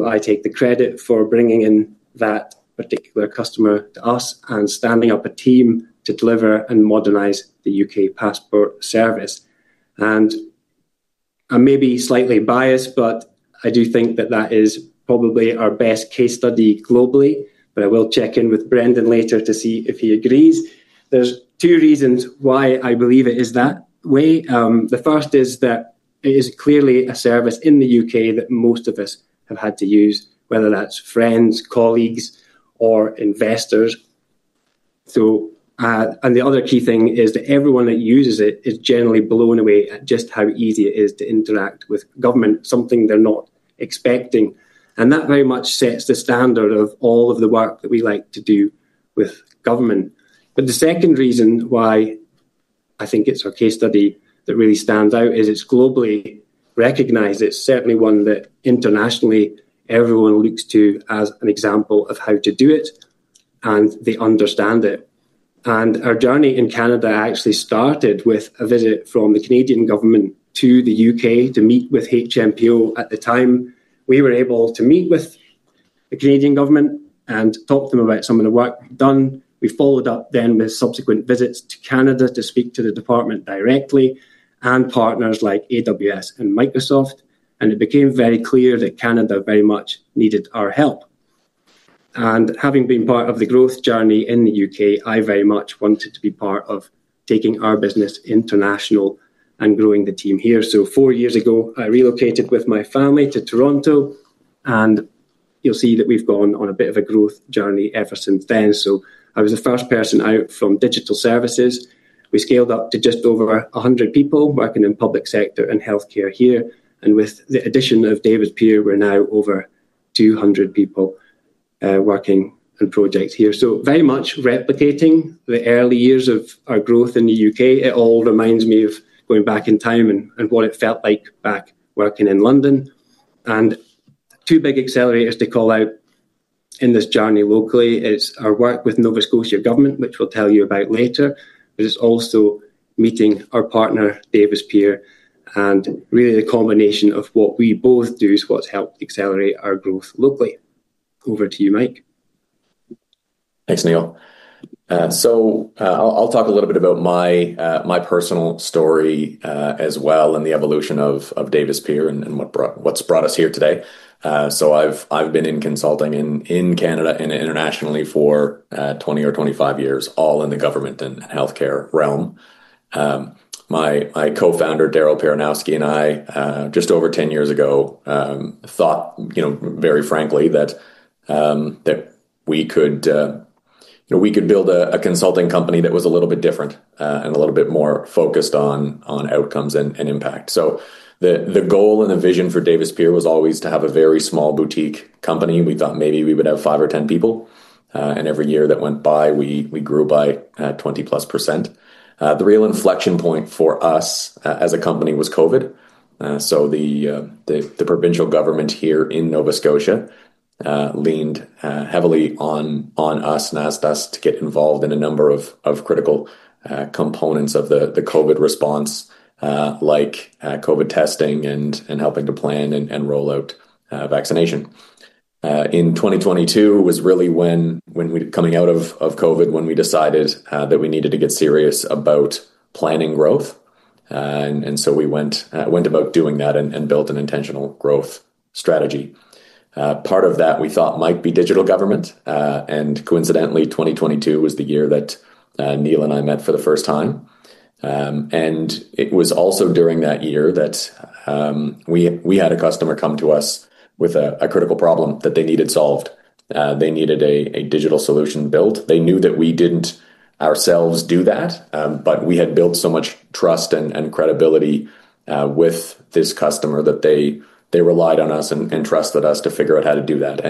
I take the credit for bringing in that particular customer to us and standing up a team to deliver and modernize the U.K. passport service. I may be slightly biased, but I do think that that is probably our best case study globally. I will check in with Brendan later to see if he agrees. There are two reasons why I believe it is that way. The first is that it is clearly a service in the U.K. that most of us have had to use, whether that's friends, colleagues, or investors. The other key thing is that everyone that uses it is generally blown away at just how easy it is to interact with government, something they're not expecting. That very much sets the standard of all of the work that we like to do with government. The second reason why I think it's our case study that really stands out is it's globally recognized. It's certainly one that internationally everyone looks to as an example of how to do it, and they understand it. Our journey in Canada actually started with a visit from the Canadian government to the U.K. to meet with HMPO at the time. We were able to meet with the Canadian government and talk to them about some of the work we've done. We followed up then with subsequent visits to Canada to speak to the department directly and partners like AWS and Microsoft. It became very clear that Canada very much needed our help. Having been part of the growth journey in the U.K., I very much wanted to be part of taking our business international and growing the team here. Four years ago, I relocated with my family to Toronto. You'll see that we've gone on a bit of a growth journey ever since then. I was the first person out from Digital Services. We scaled up to just over 100 people working in public sector and health care here. With the addition of Davis Pier, we're now over 200 people working on projects here, very much replicating the early years of our growth in the U.K. It all reminds me of going back in time and what it felt like back working in London. Two big accelerators to call out in this journey locally are our work with Nova Scotia government, which we'll tell you about later, and meeting our partner, Davis Pier. The combination of what we both do is what's helped accelerate our growth locally. Over to you, Mike. Thanks, Neil. I'll talk a little bit about my personal story as well and the evolution of Davis Pier and what's brought us here today. I've been in consulting in Canada and internationally for 20 or 25 years, all in the government and health care realm. My co-founder, Daryl Peronowski, and I, just over 10 years ago, thought very frankly that we could build a consulting company that was a little bit different and a little bit more focused on outcomes and impact. The goal and the vision for Davis Pier was always to have a very small boutique company. We thought maybe we would have 5 or 10 people. Every year that went by, we grew by 20%+. The real inflection point for us as a company was COVID. The provincial government here in Nova Scotia leaned heavily on us and asked us to get involved in a number of critical components of the COVID response, like COVID testing and helping to plan and roll out vaccination. In 2022, when we were coming out of COVID, we decided that we needed to get serious about planning growth. We went about doing that and built an intentional growth strategy. Part of that we thought might be digital government. Coincidentally, 2022 was the year that Neil and I met for the first time. It was also during that year that we had a customer come to us with a critical problem that they needed solved. They needed a digital solution built. They knew that we didn't ourselves do that, but we had built so much trust and credibility with this customer that they relied on us and trusted us to figure out how to do that.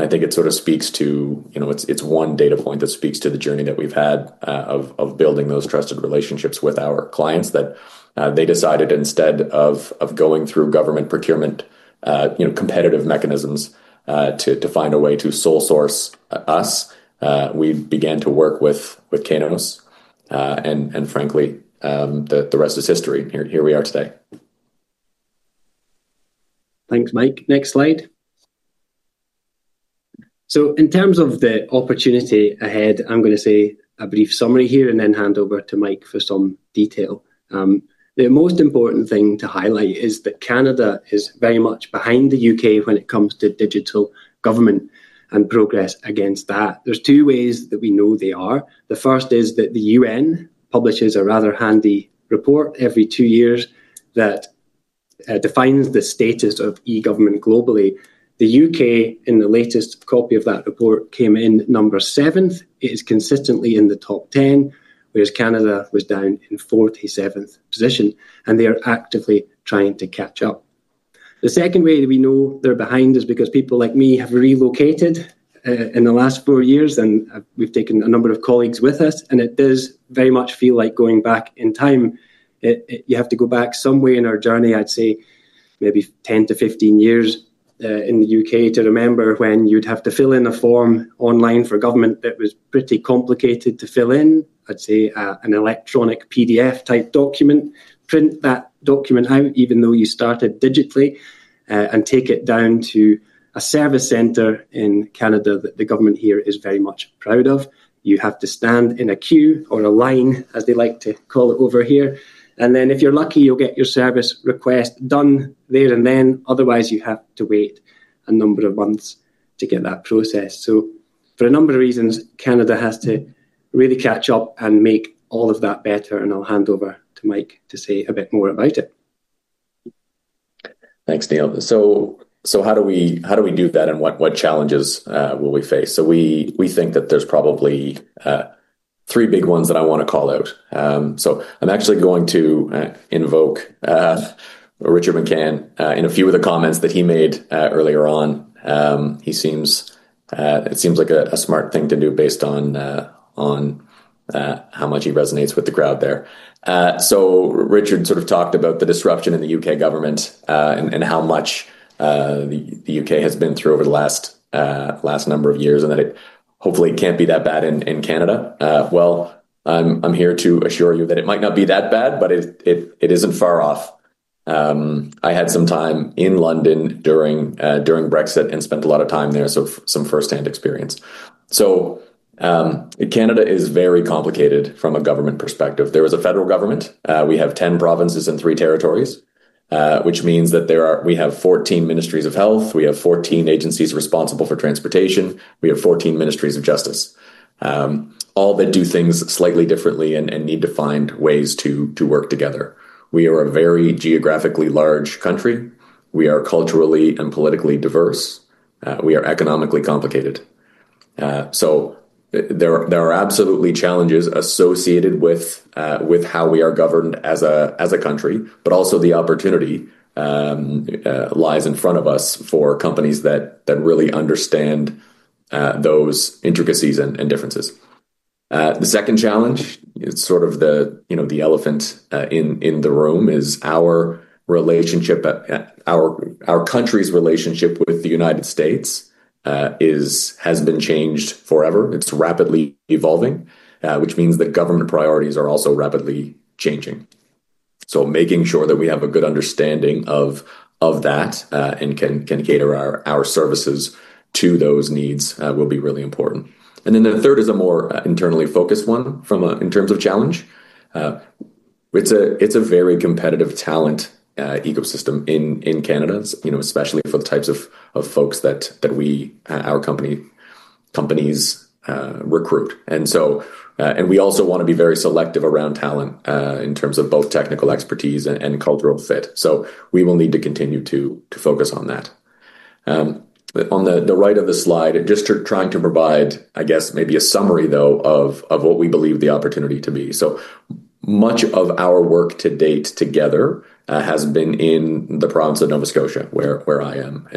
I think it sort of speaks to—it's one data point that speaks to the journey that we've had of building those trusted relationships with our clients, that they decided instead of going through government procurement competitive mechanisms to find a way to sole source us, we began to work with Kainos. Frankly, the rest is history. Here we are today. Thanks, Mike. Next slide. In terms of the opportunity ahead, I'm going to say a brief summary here and then hand over to Mike for some detail. The most important thing to highlight is that Canada is very much behind the U.K. when it comes to digital government and progress against that. There are two ways that we know they are. The first is that the UN publishes a rather handy report every two years that defines the status of e-government globally. The U.K., in the latest copy of that report, came in number seventh. It is consistently in the top 10, whereas Canada was down in 47th position. They are actively trying to catch up. The second way that we know they're behind is because people like me have relocated in the last four years. We've taken a number of colleagues with us. It does very much feel like going back in time. You have to go back somewhere in our journey, I'd say, maybe 10 to 15 years in the U.K. to remember when you'd have to fill in a form online for government that was pretty complicated to fill in, I'd say, an electronic PDF-type document. Print that document out, even though you started digitally, and take it down to a service center in Canada that the government here is very much proud of. You have to stand in a queue or a line, as they like to call it over here. If you're lucky, you'll get your service request done there and then. Otherwise, you have to wait a number of months to get that process. For a number of reasons, Canada has to really catch up and make all of that better. I'll hand over to Mike to say a bit more about it. Thanks, Neil. How do we do that? What challenges will we face? We think that there are probably three big ones that I want to call out. I'm actually going to invoke Richard McCann in a few of the comments that he made earlier on. It seems like a smart thing to do based on how much he resonates with the crowd there. Richard talked about the disruption in the U.K. government and how much the U.K. has been through over the last number of years, and that it hopefully can't be that bad in Canada. I'm here to assure you that it might not be that bad, but it isn't far off. I had some time in London during Brexit and spent a lot of time there, so some firsthand experience. Canada is very complicated from a government perspective. There is a federal government. We have 10 provinces and three territories, which means that we have 14 ministries of health. We have 14 agencies responsible for transportation. We have 14 ministries of justice, all that do things slightly differently and need to find ways to work together. We are a very geographically large country. We are culturally and politically diverse. We are economically complicated. There are absolutely challenges associated with how we are governed as a country. The opportunity also lies in front of us for companies that really understand those intricacies and differences. The second challenge, which is sort of the elephant in the room, is our country's relationship with the United States has been changed forever. It's rapidly evolving, which means that government priorities are also rapidly changing. Making sure that we have a good understanding of that and can cater our services to those needs will be really important. The third is a more internally focused one in terms of challenge. It's a very competitive talent ecosystem in Canada, especially for the types of folks that our companies recruit. We also want to be very selective around talent in terms of both technical expertise and cultural fit. We will need to continue to focus on that. On the right of the slide, just trying to provide, I guess, maybe a summary of what we believe the opportunity to be. Much of our work to date together has been in the province of Nova Scotia, where I am.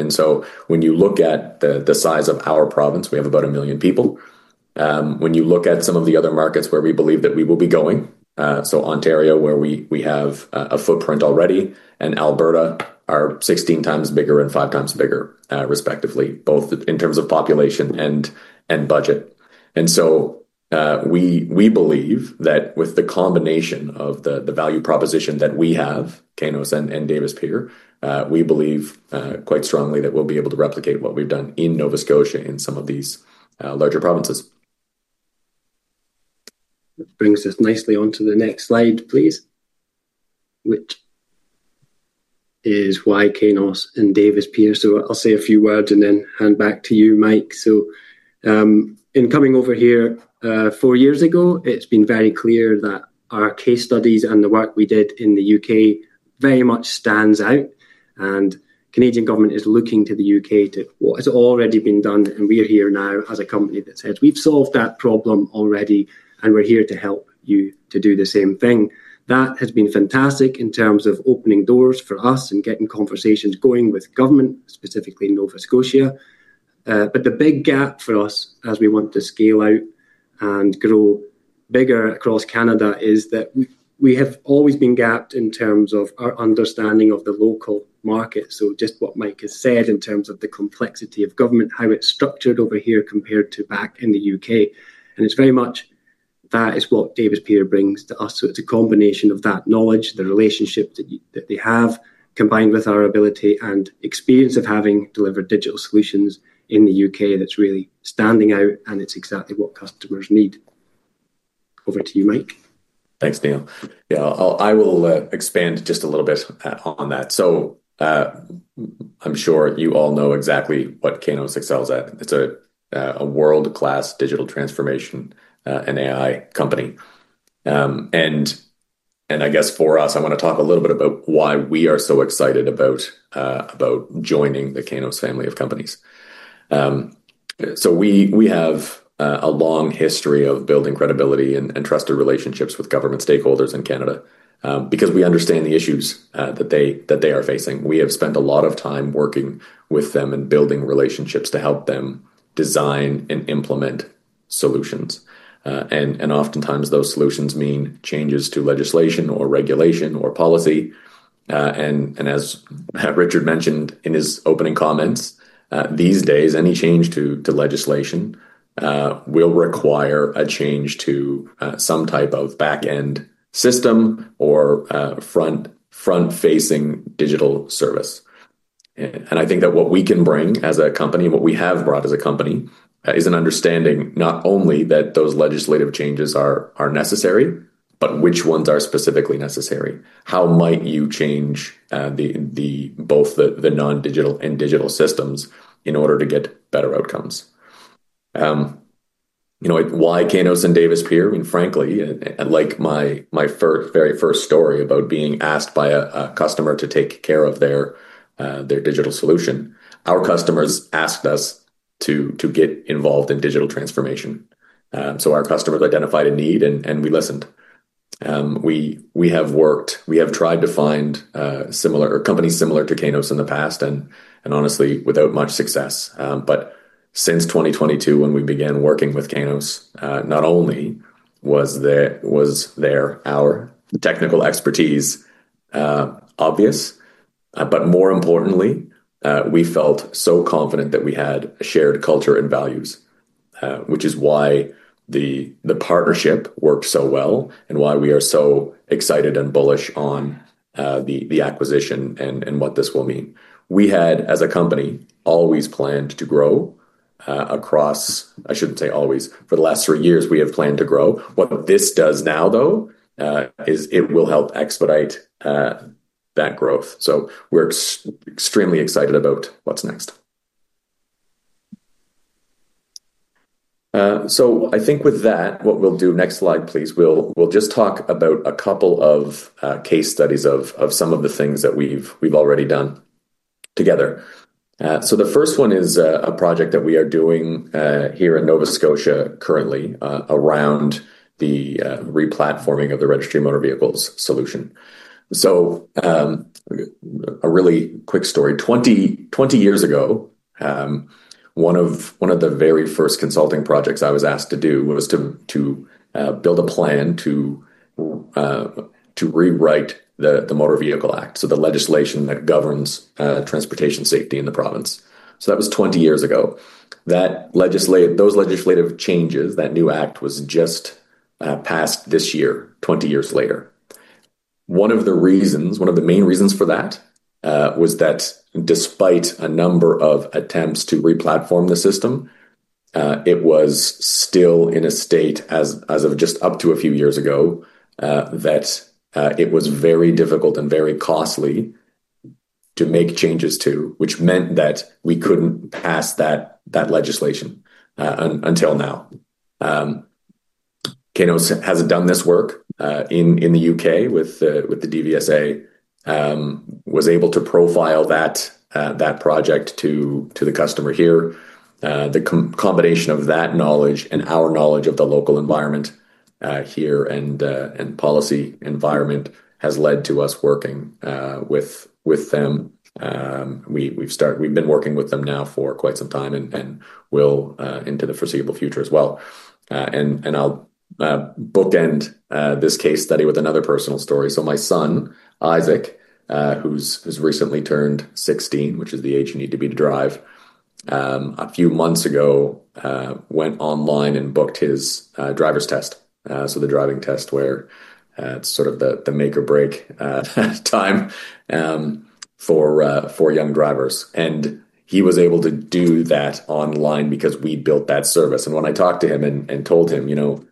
When you look at the size of our province, we have about a million people. When you look at some of the other markets where we believe that we will be going, Ontario, where we have a footprint already, and Alberta, are 16 times bigger and 5 times bigger, respectively, both in terms of population and budget. We believe that with the combination of the value proposition that we have, Kainos and Davis Pier, we believe quite strongly that we'll be able to replicate what we've done in Nova Scotia in some of these larger provinces. That brings us nicely onto the next slide, please, which is why Kainos and Davis Pier. I'll say a few words and then hand back to you, Mike. In coming over here four years ago, it's been very clear that our case studies and the work we did in the U.K. very much stands out. The Canadian government is looking to the U.K. to what has already been done. We are here now as a company that says, we've solved that problem already, and we're here to help you to do the same thing. That has been fantastic in terms of opening doors for us and getting conversations going with government, specifically Nova Scotia. The big gap for us as we want to scale out and grow bigger across Canada is that we have always been gapped in terms of our understanding of the local market. Just what Mike has said in terms of the complexity of government, how it's structured over here compared to back in the U.K., it's very much that is what Davis Pier brings to us. It's a combination of that knowledge, the relationship that they have, combined with our ability and experience of having delivered digital solutions in the U.K. that's really standing out. It's exactly what customers need. Over to you, Mike. Thanks, Neil. Yeah, I will expand just a little bit on that. I'm sure you all know exactly what Kainos excels at. It's a world-class digital transformation and AI company. I guess for us, I want to talk a little bit about why we are so excited about joining the Kainos family of companies. We have a long history of building credibility and trusted relationships with government stakeholders in Canada because we understand the issues that they are facing. We have spent a lot of time working with them and building relationships to help them design and implement solutions. Oftentimes, those solutions mean changes to legislation or regulation or policy. As Richard mentioned in his opening comments, these days, any change to legislation will require a change to some type of back-end system or front-facing digital service. I think that what we can bring as a company and what we have brought as a company is an understanding not only that those legislative changes are necessary, but which ones are specifically necessary. How might you change both the non-digital and digital systems in order to get better outcomes? Why Kainos and Davis Pier? Frankly, like my very first story about being asked by a customer to take care of their digital solution, our customers asked us to get involved in digital transformation. Our customers identified a need, and we listened. We have tried to find companies similar to Kainos in the past and honestly, without much success. Since 2022, when we began working with Kainos, not only was our technical expertise obvious, but more importantly, we felt so confident that we had a shared culture and values, which is why the partnership worked so well and why we are so excited and bullish on the acquisition and what this will mean. We had, as a company, always planned to grow across, I shouldn't say always. For the last three years, we have planned to grow. What this does now, though, is it will help expedite that growth. We're extremely excited about what's next. With that, next slide, please, we'll just talk about a couple of case studies of some of the things that we've already done together. The first one is a project that we are doing here in Nova Scotia currently around the replatforming of the Registry of Motor Vehicles solution. A really quick story. Twenty years ago, one of the very first consulting projects I was asked to do was to build a plan to rewrite the Motor Vehicle Act, the legislation that governs transportation safety in the province. That was twenty years ago. Those legislative changes, that new act, was just passed this year, twenty years later. One of the main reasons for that was that despite a number of attempts to replatform the system, it was still in a state, as of just up to a few years ago, that it was very difficult and very costly to make changes to, which meant that we couldn't pass that legislation until now. Kainos has done this work in the U.K. with the DVSA and was able to profile that project to the customer here. The combination of that knowledge and our knowledge of the local environment and policy environment has led to us working with them. We've been working with them now for quite some time and will into the foreseeable future as well. I'll bookend this case study with another personal story. My son, Isaac, who's recently turned sixteen, which is the age you need to be to drive, a few months ago went online and booked his driver's test, the driving test where it's sort of the make or break time for young drivers. He was able to do that online because we built that service. When I talked to him and told him, you know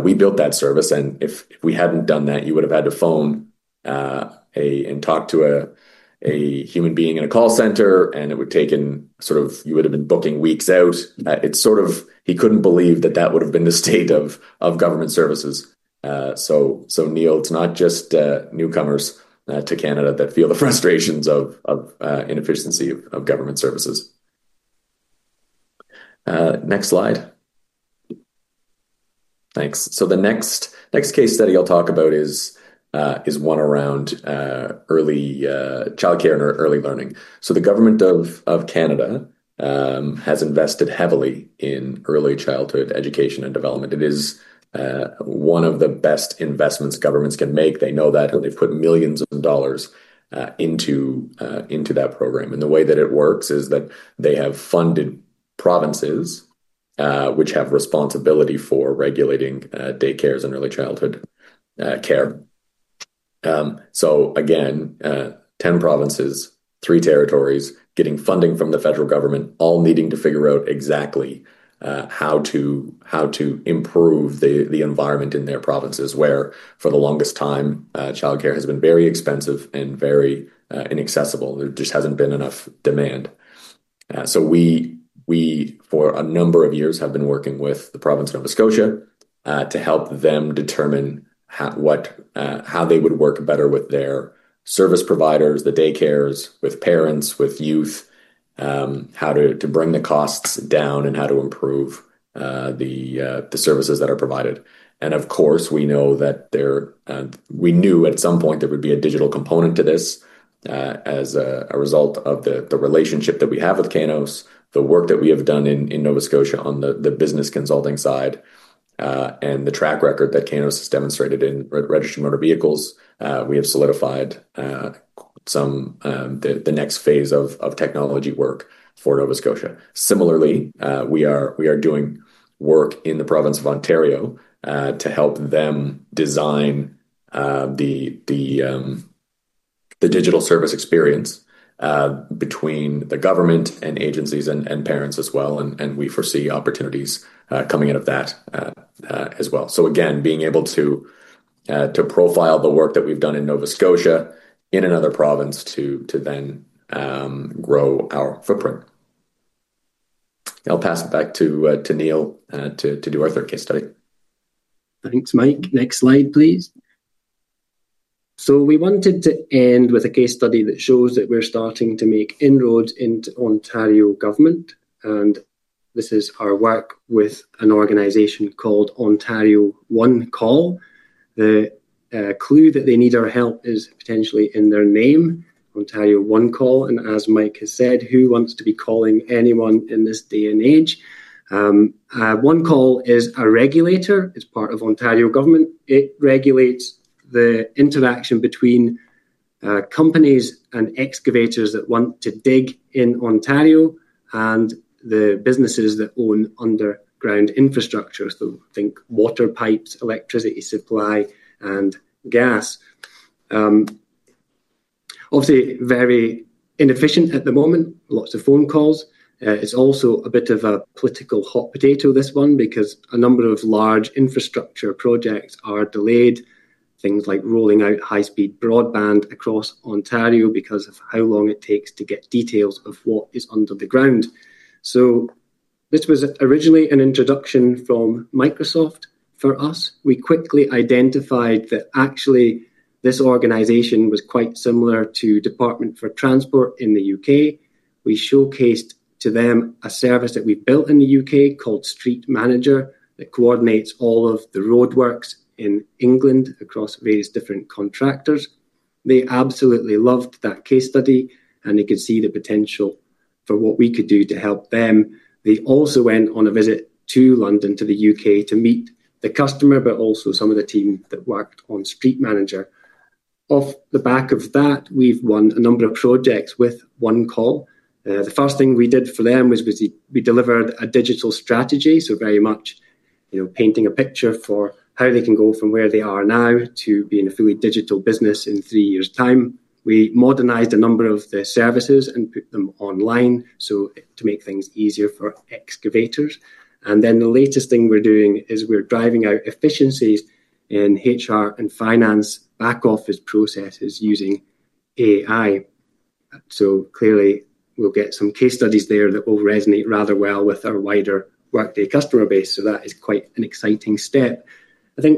we built that service, and if we hadn't done that, you would have had to phone and talk to a human being in a call center, and it would have taken sort of you would have been booking weeks out. He couldn't believe that that would have been the state of government services. Neil, it's not just newcomers to Canada that feel the frustrations of inefficiency of government services. Next slide. Thanks. The next case study I'll talk about is one around early child care and early learning. The government of Canada has invested heavily in early childhood education and development. It is one of the best investments governments can make. They know that, and they've put millions of dollars into that program. The way that it works is that they have funded provinces, which have responsibility for regulating daycares and early childhood care. Again, ten provinces, three territories, getting funding from the federal government, all needing to figure out exactly how to improve the environment in their provinces, where for the longest time, child care has been very expensive and very inaccessible. There just hasn't been enough demand. We, for a number of years, have been working with the province of Nova Scotia to help them determine how they would work better with their service providers, the daycares, with parents, with youth, how to bring the costs down, and how to improve the services that are provided. Of course, we knew at some point there would be a digital component to this as a result of the relationship that we have with Kainos, the work that we have done in Nova Scotia on the business consulting side, and the track record that Kainos has demonstrated in Registry of Motor Vehicles. We have solidified the next phase of technology work for Nova Scotia. Similarly, we are doing work in the province of Ontario to help them design the digital service experience between the government and agencies and parents as well. We foresee opportunities coming out of that as well. Being able to profile the work that we've done in Nova Scotia in another province to then grow our footprint. I'll pass it back to Neil to do our third case study. Thanks, Mike. Next slide, please. We wanted to end with a case study that shows that we're starting to make inroads into Ontario government. This is our work with an organization called Ontario One Call. The clue that they need our help is potentially in their name, Ontario One Call. As Mike has said, who wants to be calling anyone in this day and age? One Call is a regulator. It's part of Ontario government. It regulates the interaction between companies and excavators that want to dig in Ontario and the businesses that own underground infrastructure, so think water pipes, electricity supply, and gas. Obviously, very inefficient at the moment, lots of phone calls. It's also a bit of a political hot potato, this one, because a number of large infrastructure projects are delayed, things like rolling out high-speed broadband across Ontario because of how long it takes to get details of what is under the ground. This was originally an introduction from Microsoft. For us, we quickly identified that actually, this organization was quite similar to Department for Transport in the U.K. We showcased to them a service that we built in the U.K. called Street Manager that coordinates all of the roadworks in England across various different contractors. They absolutely loved that case study, and they could see the potential for what we could do to help them. They also went on a visit to London, to the U.K., to meet the customer, but also some of the team that worked on Street Manager. Off the back of that, we've won a number of projects with One Call. The first thing we did for them was we delivered a digital strategy, very much painting a picture for how they can go from where they are now to being a fully digital business in three years' time. We modernized a number of the services and put them online to make things easier for excavators. The latest thing we're doing is we're driving out efficiencies in HR and finance back-office processes using AI. Clearly, we'll get some case studies there that will resonate rather well with our wider Workday customer base. That is quite an exciting step. The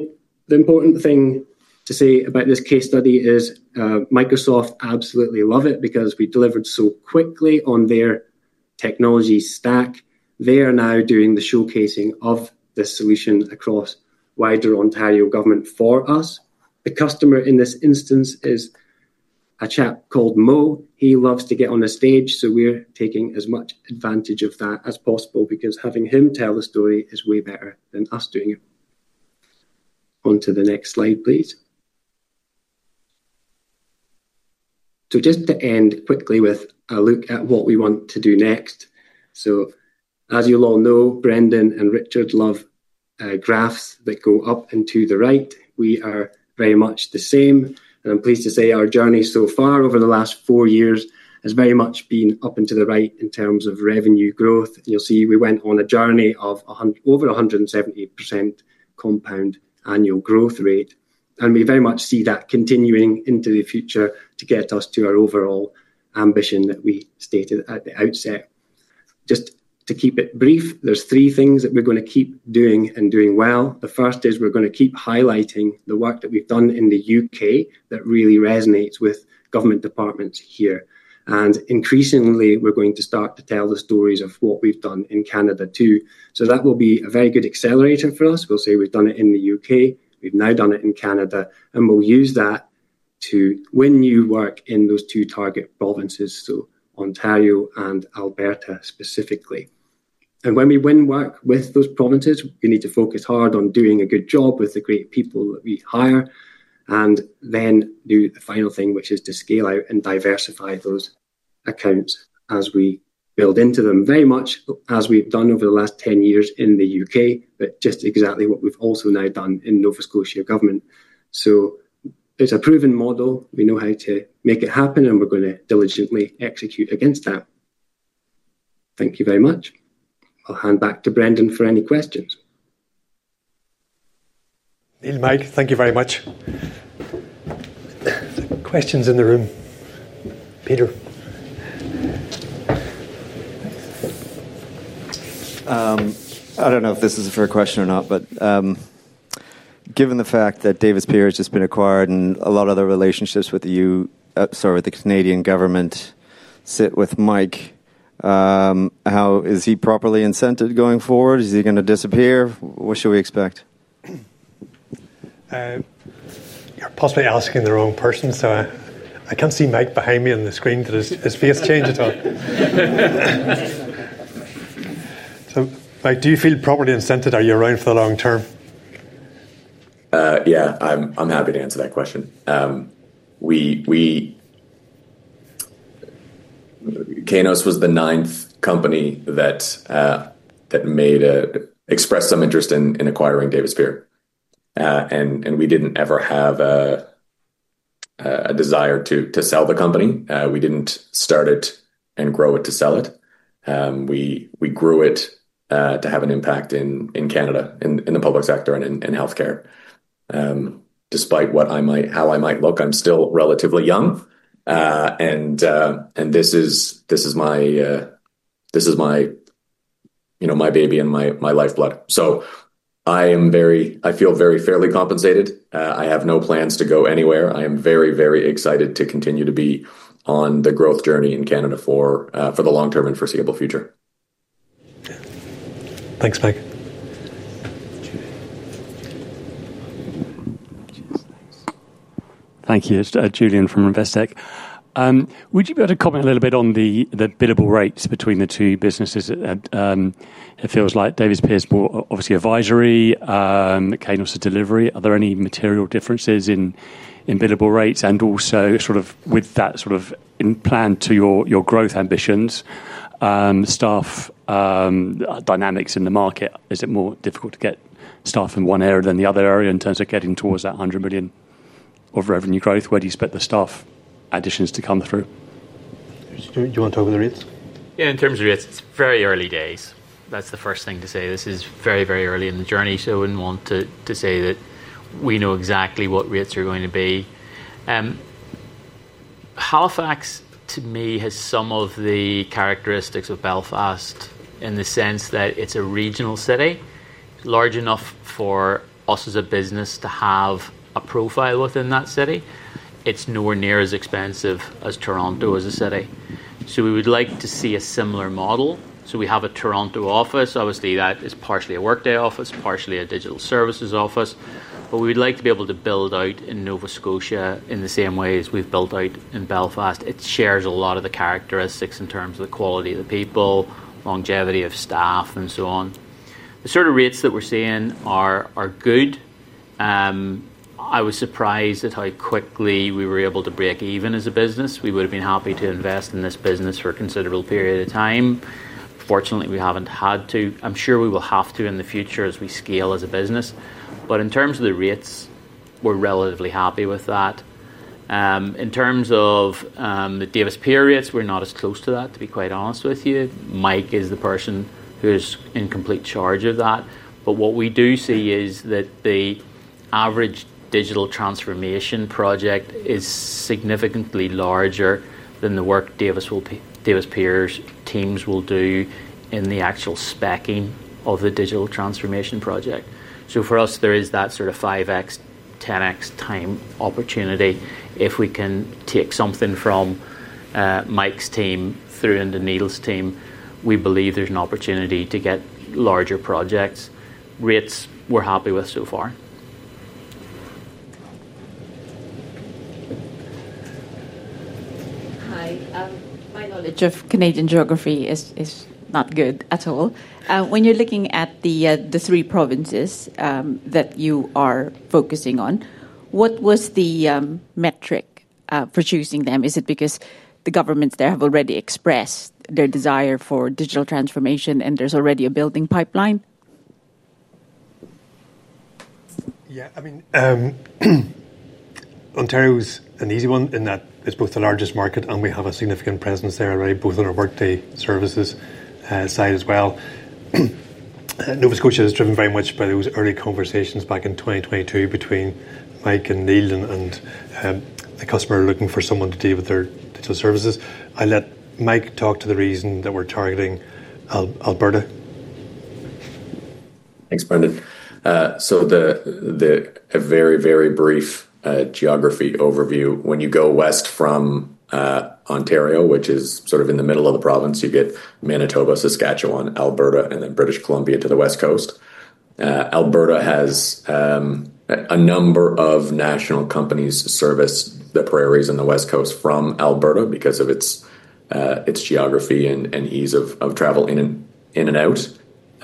important thing to say about this case study is Microsoft absolutely loved it because we delivered so quickly on their technology stack. They are now doing the showcasing of this solution across wider Ontario government for us. The customer in this instance is a chap called Mo. He loves to get on the stage. We're taking as much advantage of that as possible because having him tell the story is way better than us doing it. Onto the next slide, please. Just to end quickly with a look at what we want to do next. As you all know, Brendan and Richard love graphs that go up and to the right. We are very much the same, and I'm pleased to say our journey so far over the last four years has very much been up and to the right in terms of revenue growth. You'll see we went on a journey of over a 170% compound annual growth rate, and we very much see that continuing into the future to get us to our overall ambition that we stated at the outset. To keep it brief, there are three things that we're going to keep doing and doing well. The first is we're going to keep highlighting the work that we've done in the U.K. that really resonates with government departments here. Increasingly, we're going to start to tell the stories of what we've done in Canada too. That will be a very good accelerator for us. We'll say we've done it in the U.K., we've now done it in Canada, and we'll use that to win new work in those two target provinces, Ontario and Alberta specifically. When we win work with those provinces, we need to focus hard on doing a good job with the great people that we hire and then do the final thing, which is to scale out and diversify those accounts as we build into them, very much as we've done over the last 10 years in the U.K., and exactly what we've also now done in Nova Scotia government. It's a proven model. We know how to make it happen, and we're going to diligently execute against that. Thank you very much. I'll hand back to Brendan for any questions. Neil, Mike, thank you very much. Questions in the room? Peter. I don't know if this is a fair question or not. Given the fact that Davis Pier has just been acquired and a lot of their relationships with the Canadian government sit with Mike, how is he properly incented going forward? Is he going to disappear? What should we expect? You're possibly asking the wrong person. I can't see Mike behind me on the screen because his face changed at all. Mike, do you feel properly incented? Are you around for the long term? Yeah, I'm happy to answer that question. Kainos was the ninth company that expressed some interest in acquiring Davis Pier. We didn't ever have a desire to sell the company. We didn't start it and grow it to sell it. We grew it to have an impact in Canada, in the public sector and in health care. Despite how I might look, I'm still relatively young. This is my baby and my lifeblood. I feel very fairly compensated. I have no plans to go anywhere. I am very, very excited to continue to be on the growth journey in Canada for the long term and foreseeable future. Thanks, Mike. Thank you, Julian from Investec. Would you be able to comment a little bit on the billable rates between the two businesses? It feels like Davis Pier is more obviously advisory, Kainos is delivery. Are there any material differences in billable rates, and also with that plan to your growth ambitions, staff dynamics in the market? Is it more difficult to get staff in one area than the other area in terms of getting towards that $100 million of revenue growth? Where do you expect the staff additions to come through? Do you want to talk about the rates? Yeah, in terms of rates, it's very early days. That's the first thing to say. This is very, very early in the journey. I wouldn't want to say that we know exactly what rates are going to be. Halifax, to me, has some of the characteristics of Belfast in the sense that it's a regional city, large enough for us as a business to have a profile within that city. It's nowhere near as expensive as Toronto as a city. We would like to see a similar model. We have a Toronto office. Obviously, that is partially a Workday office, partially a Digital Services office. We would like to be able to build out in Nova Scotia in the same way as we've built out in Belfast. It shares a lot of the characteristics in terms of the quality of the people, longevity of staff, and so on. The sort of rates that we're seeing are good. I was surprised at how quickly we were able to break even as a business. We would have been happy to invest in this business for a considerable period of time. Fortunately, we haven't had to. I'm sure we will have to in the future as we scale as a business. In terms of the rates, we're relatively happy with that. In terms of the Davis Pier rates, we're not as close to that, to be quite honest with you. Mike is the person who is in complete charge of that. What we do see is that the average digital transformation project is significantly larger than the work Davis Pier's teams will do in the actual speccing of the digital transformation project. For us, there is that sort of 5x, 10x time opportunity. If we can take something from Mike's team through into Neil's team, we believe there's an opportunity to get larger projects. Rates we're happy with so far. Hi. My knowledge of Canadian geography is not good at all. When you're looking at the three provinces that you are focusing on, what was the metric for choosing them? Is it because the governments there have already expressed their desire for digital transformation, and there's already a building pipeline? Yeah, I mean, Ontario is an easy one in that it's both the largest market and we have a significant presence there already, both on our Workday Services side as well. Nova Scotia is driven very much by those early conversations back in 2022 between Mike and Neil and the customer looking for someone to deal with their Digital Services. I'll let Mike talk to the reason that we're targeting Alberta. Thanks, Brendan. A very, very brief geography overview. When you go west from Ontario, which is sort of in the middle of the province, you get Manitoba, Saskatchewan, Alberta, and then British Columbia to the west coast. Alberta has a number of national companies that service the prairies and the west coast from Alberta because of its geography and ease of travel in and out.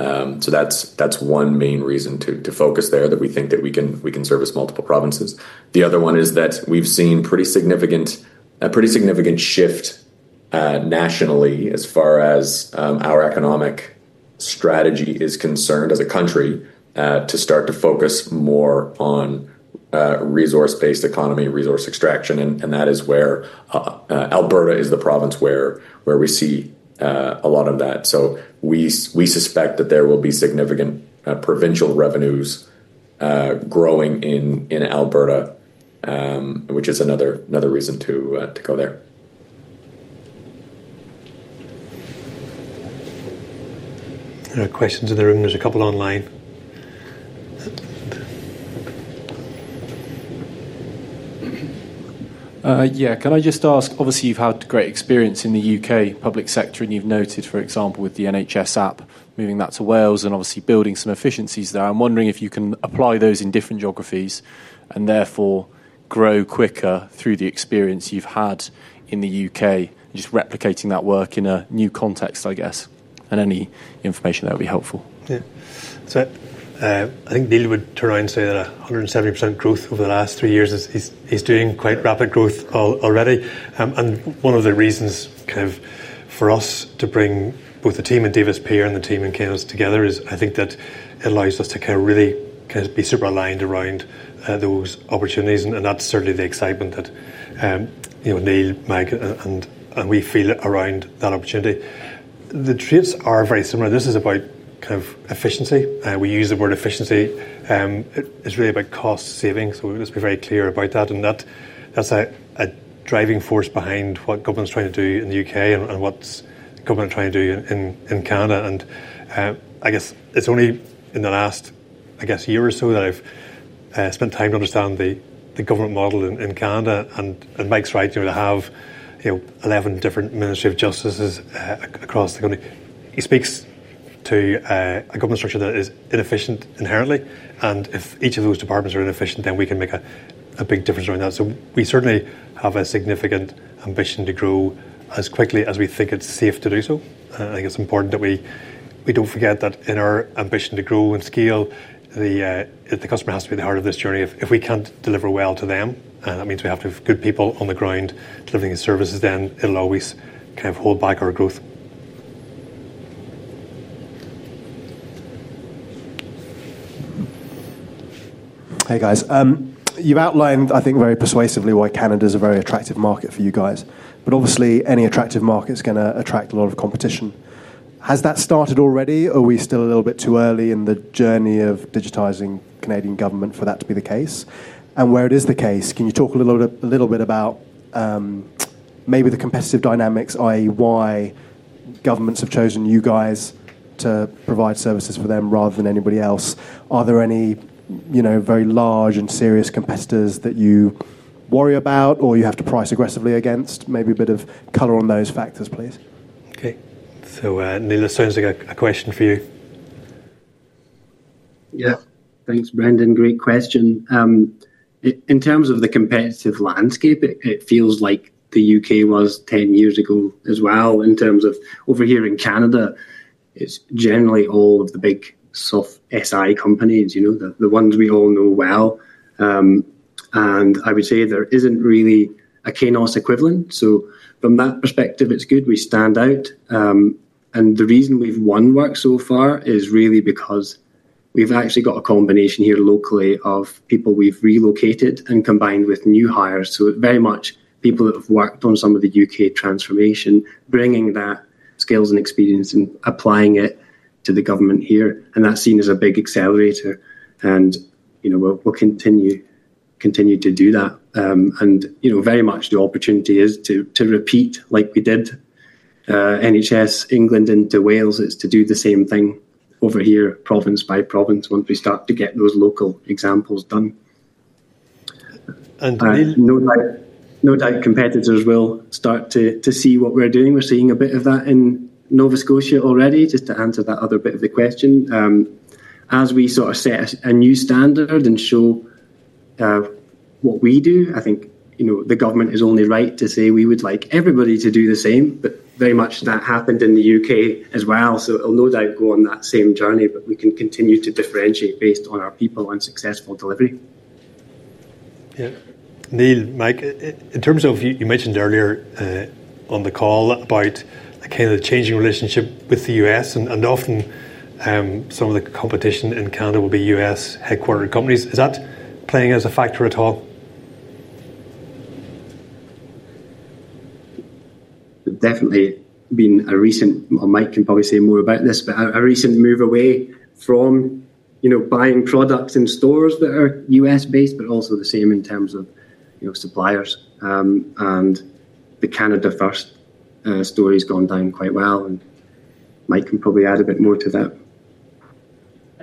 That's one main reason to focus there, that we think that we can service multiple provinces. The other one is that we've seen a pretty significant shift nationally as far as our economic strategy is concerned as a country to start to focus more on resource-based economy, resource extraction. That is where Alberta is the province where we see a lot of that. We suspect that there will be significant provincial revenues growing in Alberta, which is another reason to go there. Questions in the room? There's a couple online. Can I just ask? Obviously, you've had great experience in the U.K. public sector, and you've noted, for example, with the NHS app, moving that to Wales and obviously building some efficiencies there. I'm wondering if you can apply those in different geographies and therefore grow quicker through the experience you've had in the U.K. and just replicating that work in a new context, I guess. Any information that would be helpful. Yeah, so I think Neil would turn around and say that a 170% growth over the last three years, he's doing quite rapid growth already. One of the reasons for us to bring both the team in Davis Pier and the team in Kainos together is I think that it allows us to really be super aligned around those opportunities. That's certainly the excitement that Neil, Mike, and we feel around that opportunity. The traits are very similar. This is about efficiency. We use the word efficiency. It's really about cost saving. Let's be very clear about that. That's a driving force behind what government's trying to do in the U.K. and what the government is trying to do in Canada. I guess it's only in the last year or so that I've spent time to understand the government model in Canada. Mike's right. You have 11 different ministries of justices across the country. He speaks to a government structure that is inefficient inherently. If each of those departments are inefficient, then we can make a big difference around that. We certainly have a significant ambition to grow as quickly as we think it's safe to do so. I think it's important that we don't forget that in our ambition to grow and scale, the customer has to be the heart of this journey. If we can't deliver well to them, and that means we have to have good people on the ground delivering these services, then it'll always hold back our growth. Hey, guys. You outlined, I think, very persuasively why Canada is a very attractive market for you guys. Obviously, any attractive market is going to attract a lot of competition. Has that started already? Are we still a little bit too early in the journey of digitizing Canadian government for that to be the case? Where it is the case, can you talk a little bit about maybe the competitive dynamics, i.e., why governments have chosen you guys to provide services for them rather than anybody else? Are there any very large and serious competitors that you worry about or you have to price aggressively against? Maybe a bit of color on those factors, please. OK, Neil, it sounds like a question for you. Yeah, thanks, Brendan. Great question. In terms of the competitive landscape, it feels like the U.K. was 10 years ago as well. In terms of over here in Canada, it's generally all of the big soft SI companies, the ones we all know well. I would say there isn't really a Kainos equivalent. From that perspective, it's good. We stand out. The reason we've won work so far is really because we've actually got a combination here locally of people we've relocated and combined with new hires. Very much people that have worked on some of the U.K. transformation, bringing that skills and experience and applying it to the government here. That's seen as a big accelerator. We'll continue to do that. Very much the opportunity is to repeat like we did NHS England into Wales. It's to do the same thing over here, province by province, once we start to get those local examples done. And Brendan. No doubt competitors will start to see what we're doing. We're seeing a bit of that in Nova Scotia already, just to answer that other bit of the question. As we sort of set a new standard and show what we do, I think the government is only right to say we would like everybody to do the same. That happened in the U.K. as well. It will no doubt go on that same journey. We can continue to differentiate based on our people and successful delivery. Yeah. Neil, Mike, in terms of you mentioned earlier on the call about a kind of changing relationship with the U.S., and often, some of the competition in Canada will be U.S.-headquartered companies. Is that playing as a factor at all? Definitely. There's been a recent move away from buying products in stores that are U.S.-based, but also the same in terms of suppliers. The Canada-first story has gone down quite well. Mike can probably add a bit more to that.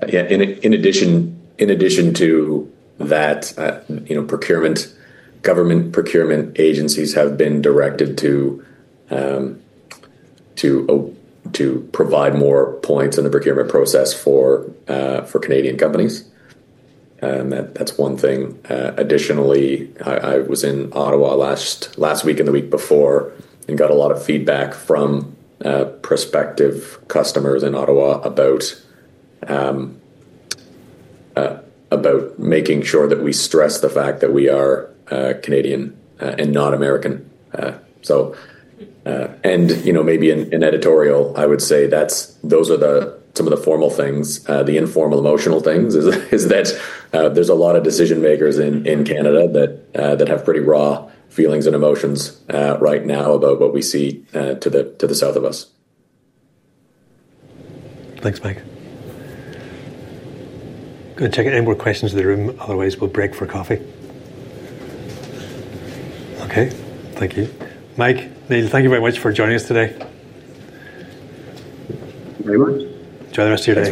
In addition to that, government procurement agencies have been directed to provide more points in the procurement process for Canadian companies. That's one thing. Additionally, I was in Ottawa last week and the week before and got a lot of feedback from prospective customers in Ottawa about making sure that we stress the fact that we are Canadian and not American. Maybe in editorial, I would say those are some of the formal things. The informal emotional things is that there's a lot of decision makers in Canada that have pretty raw feelings and emotions right now about what we see to the south of us. Thanks, Mike. Good. Take any more questions in the room. Otherwise, we'll break for coffee. OK, thank you. Mike, Neil, thank you very much for joining us today. Thank you very much. Enjoy the rest of your day.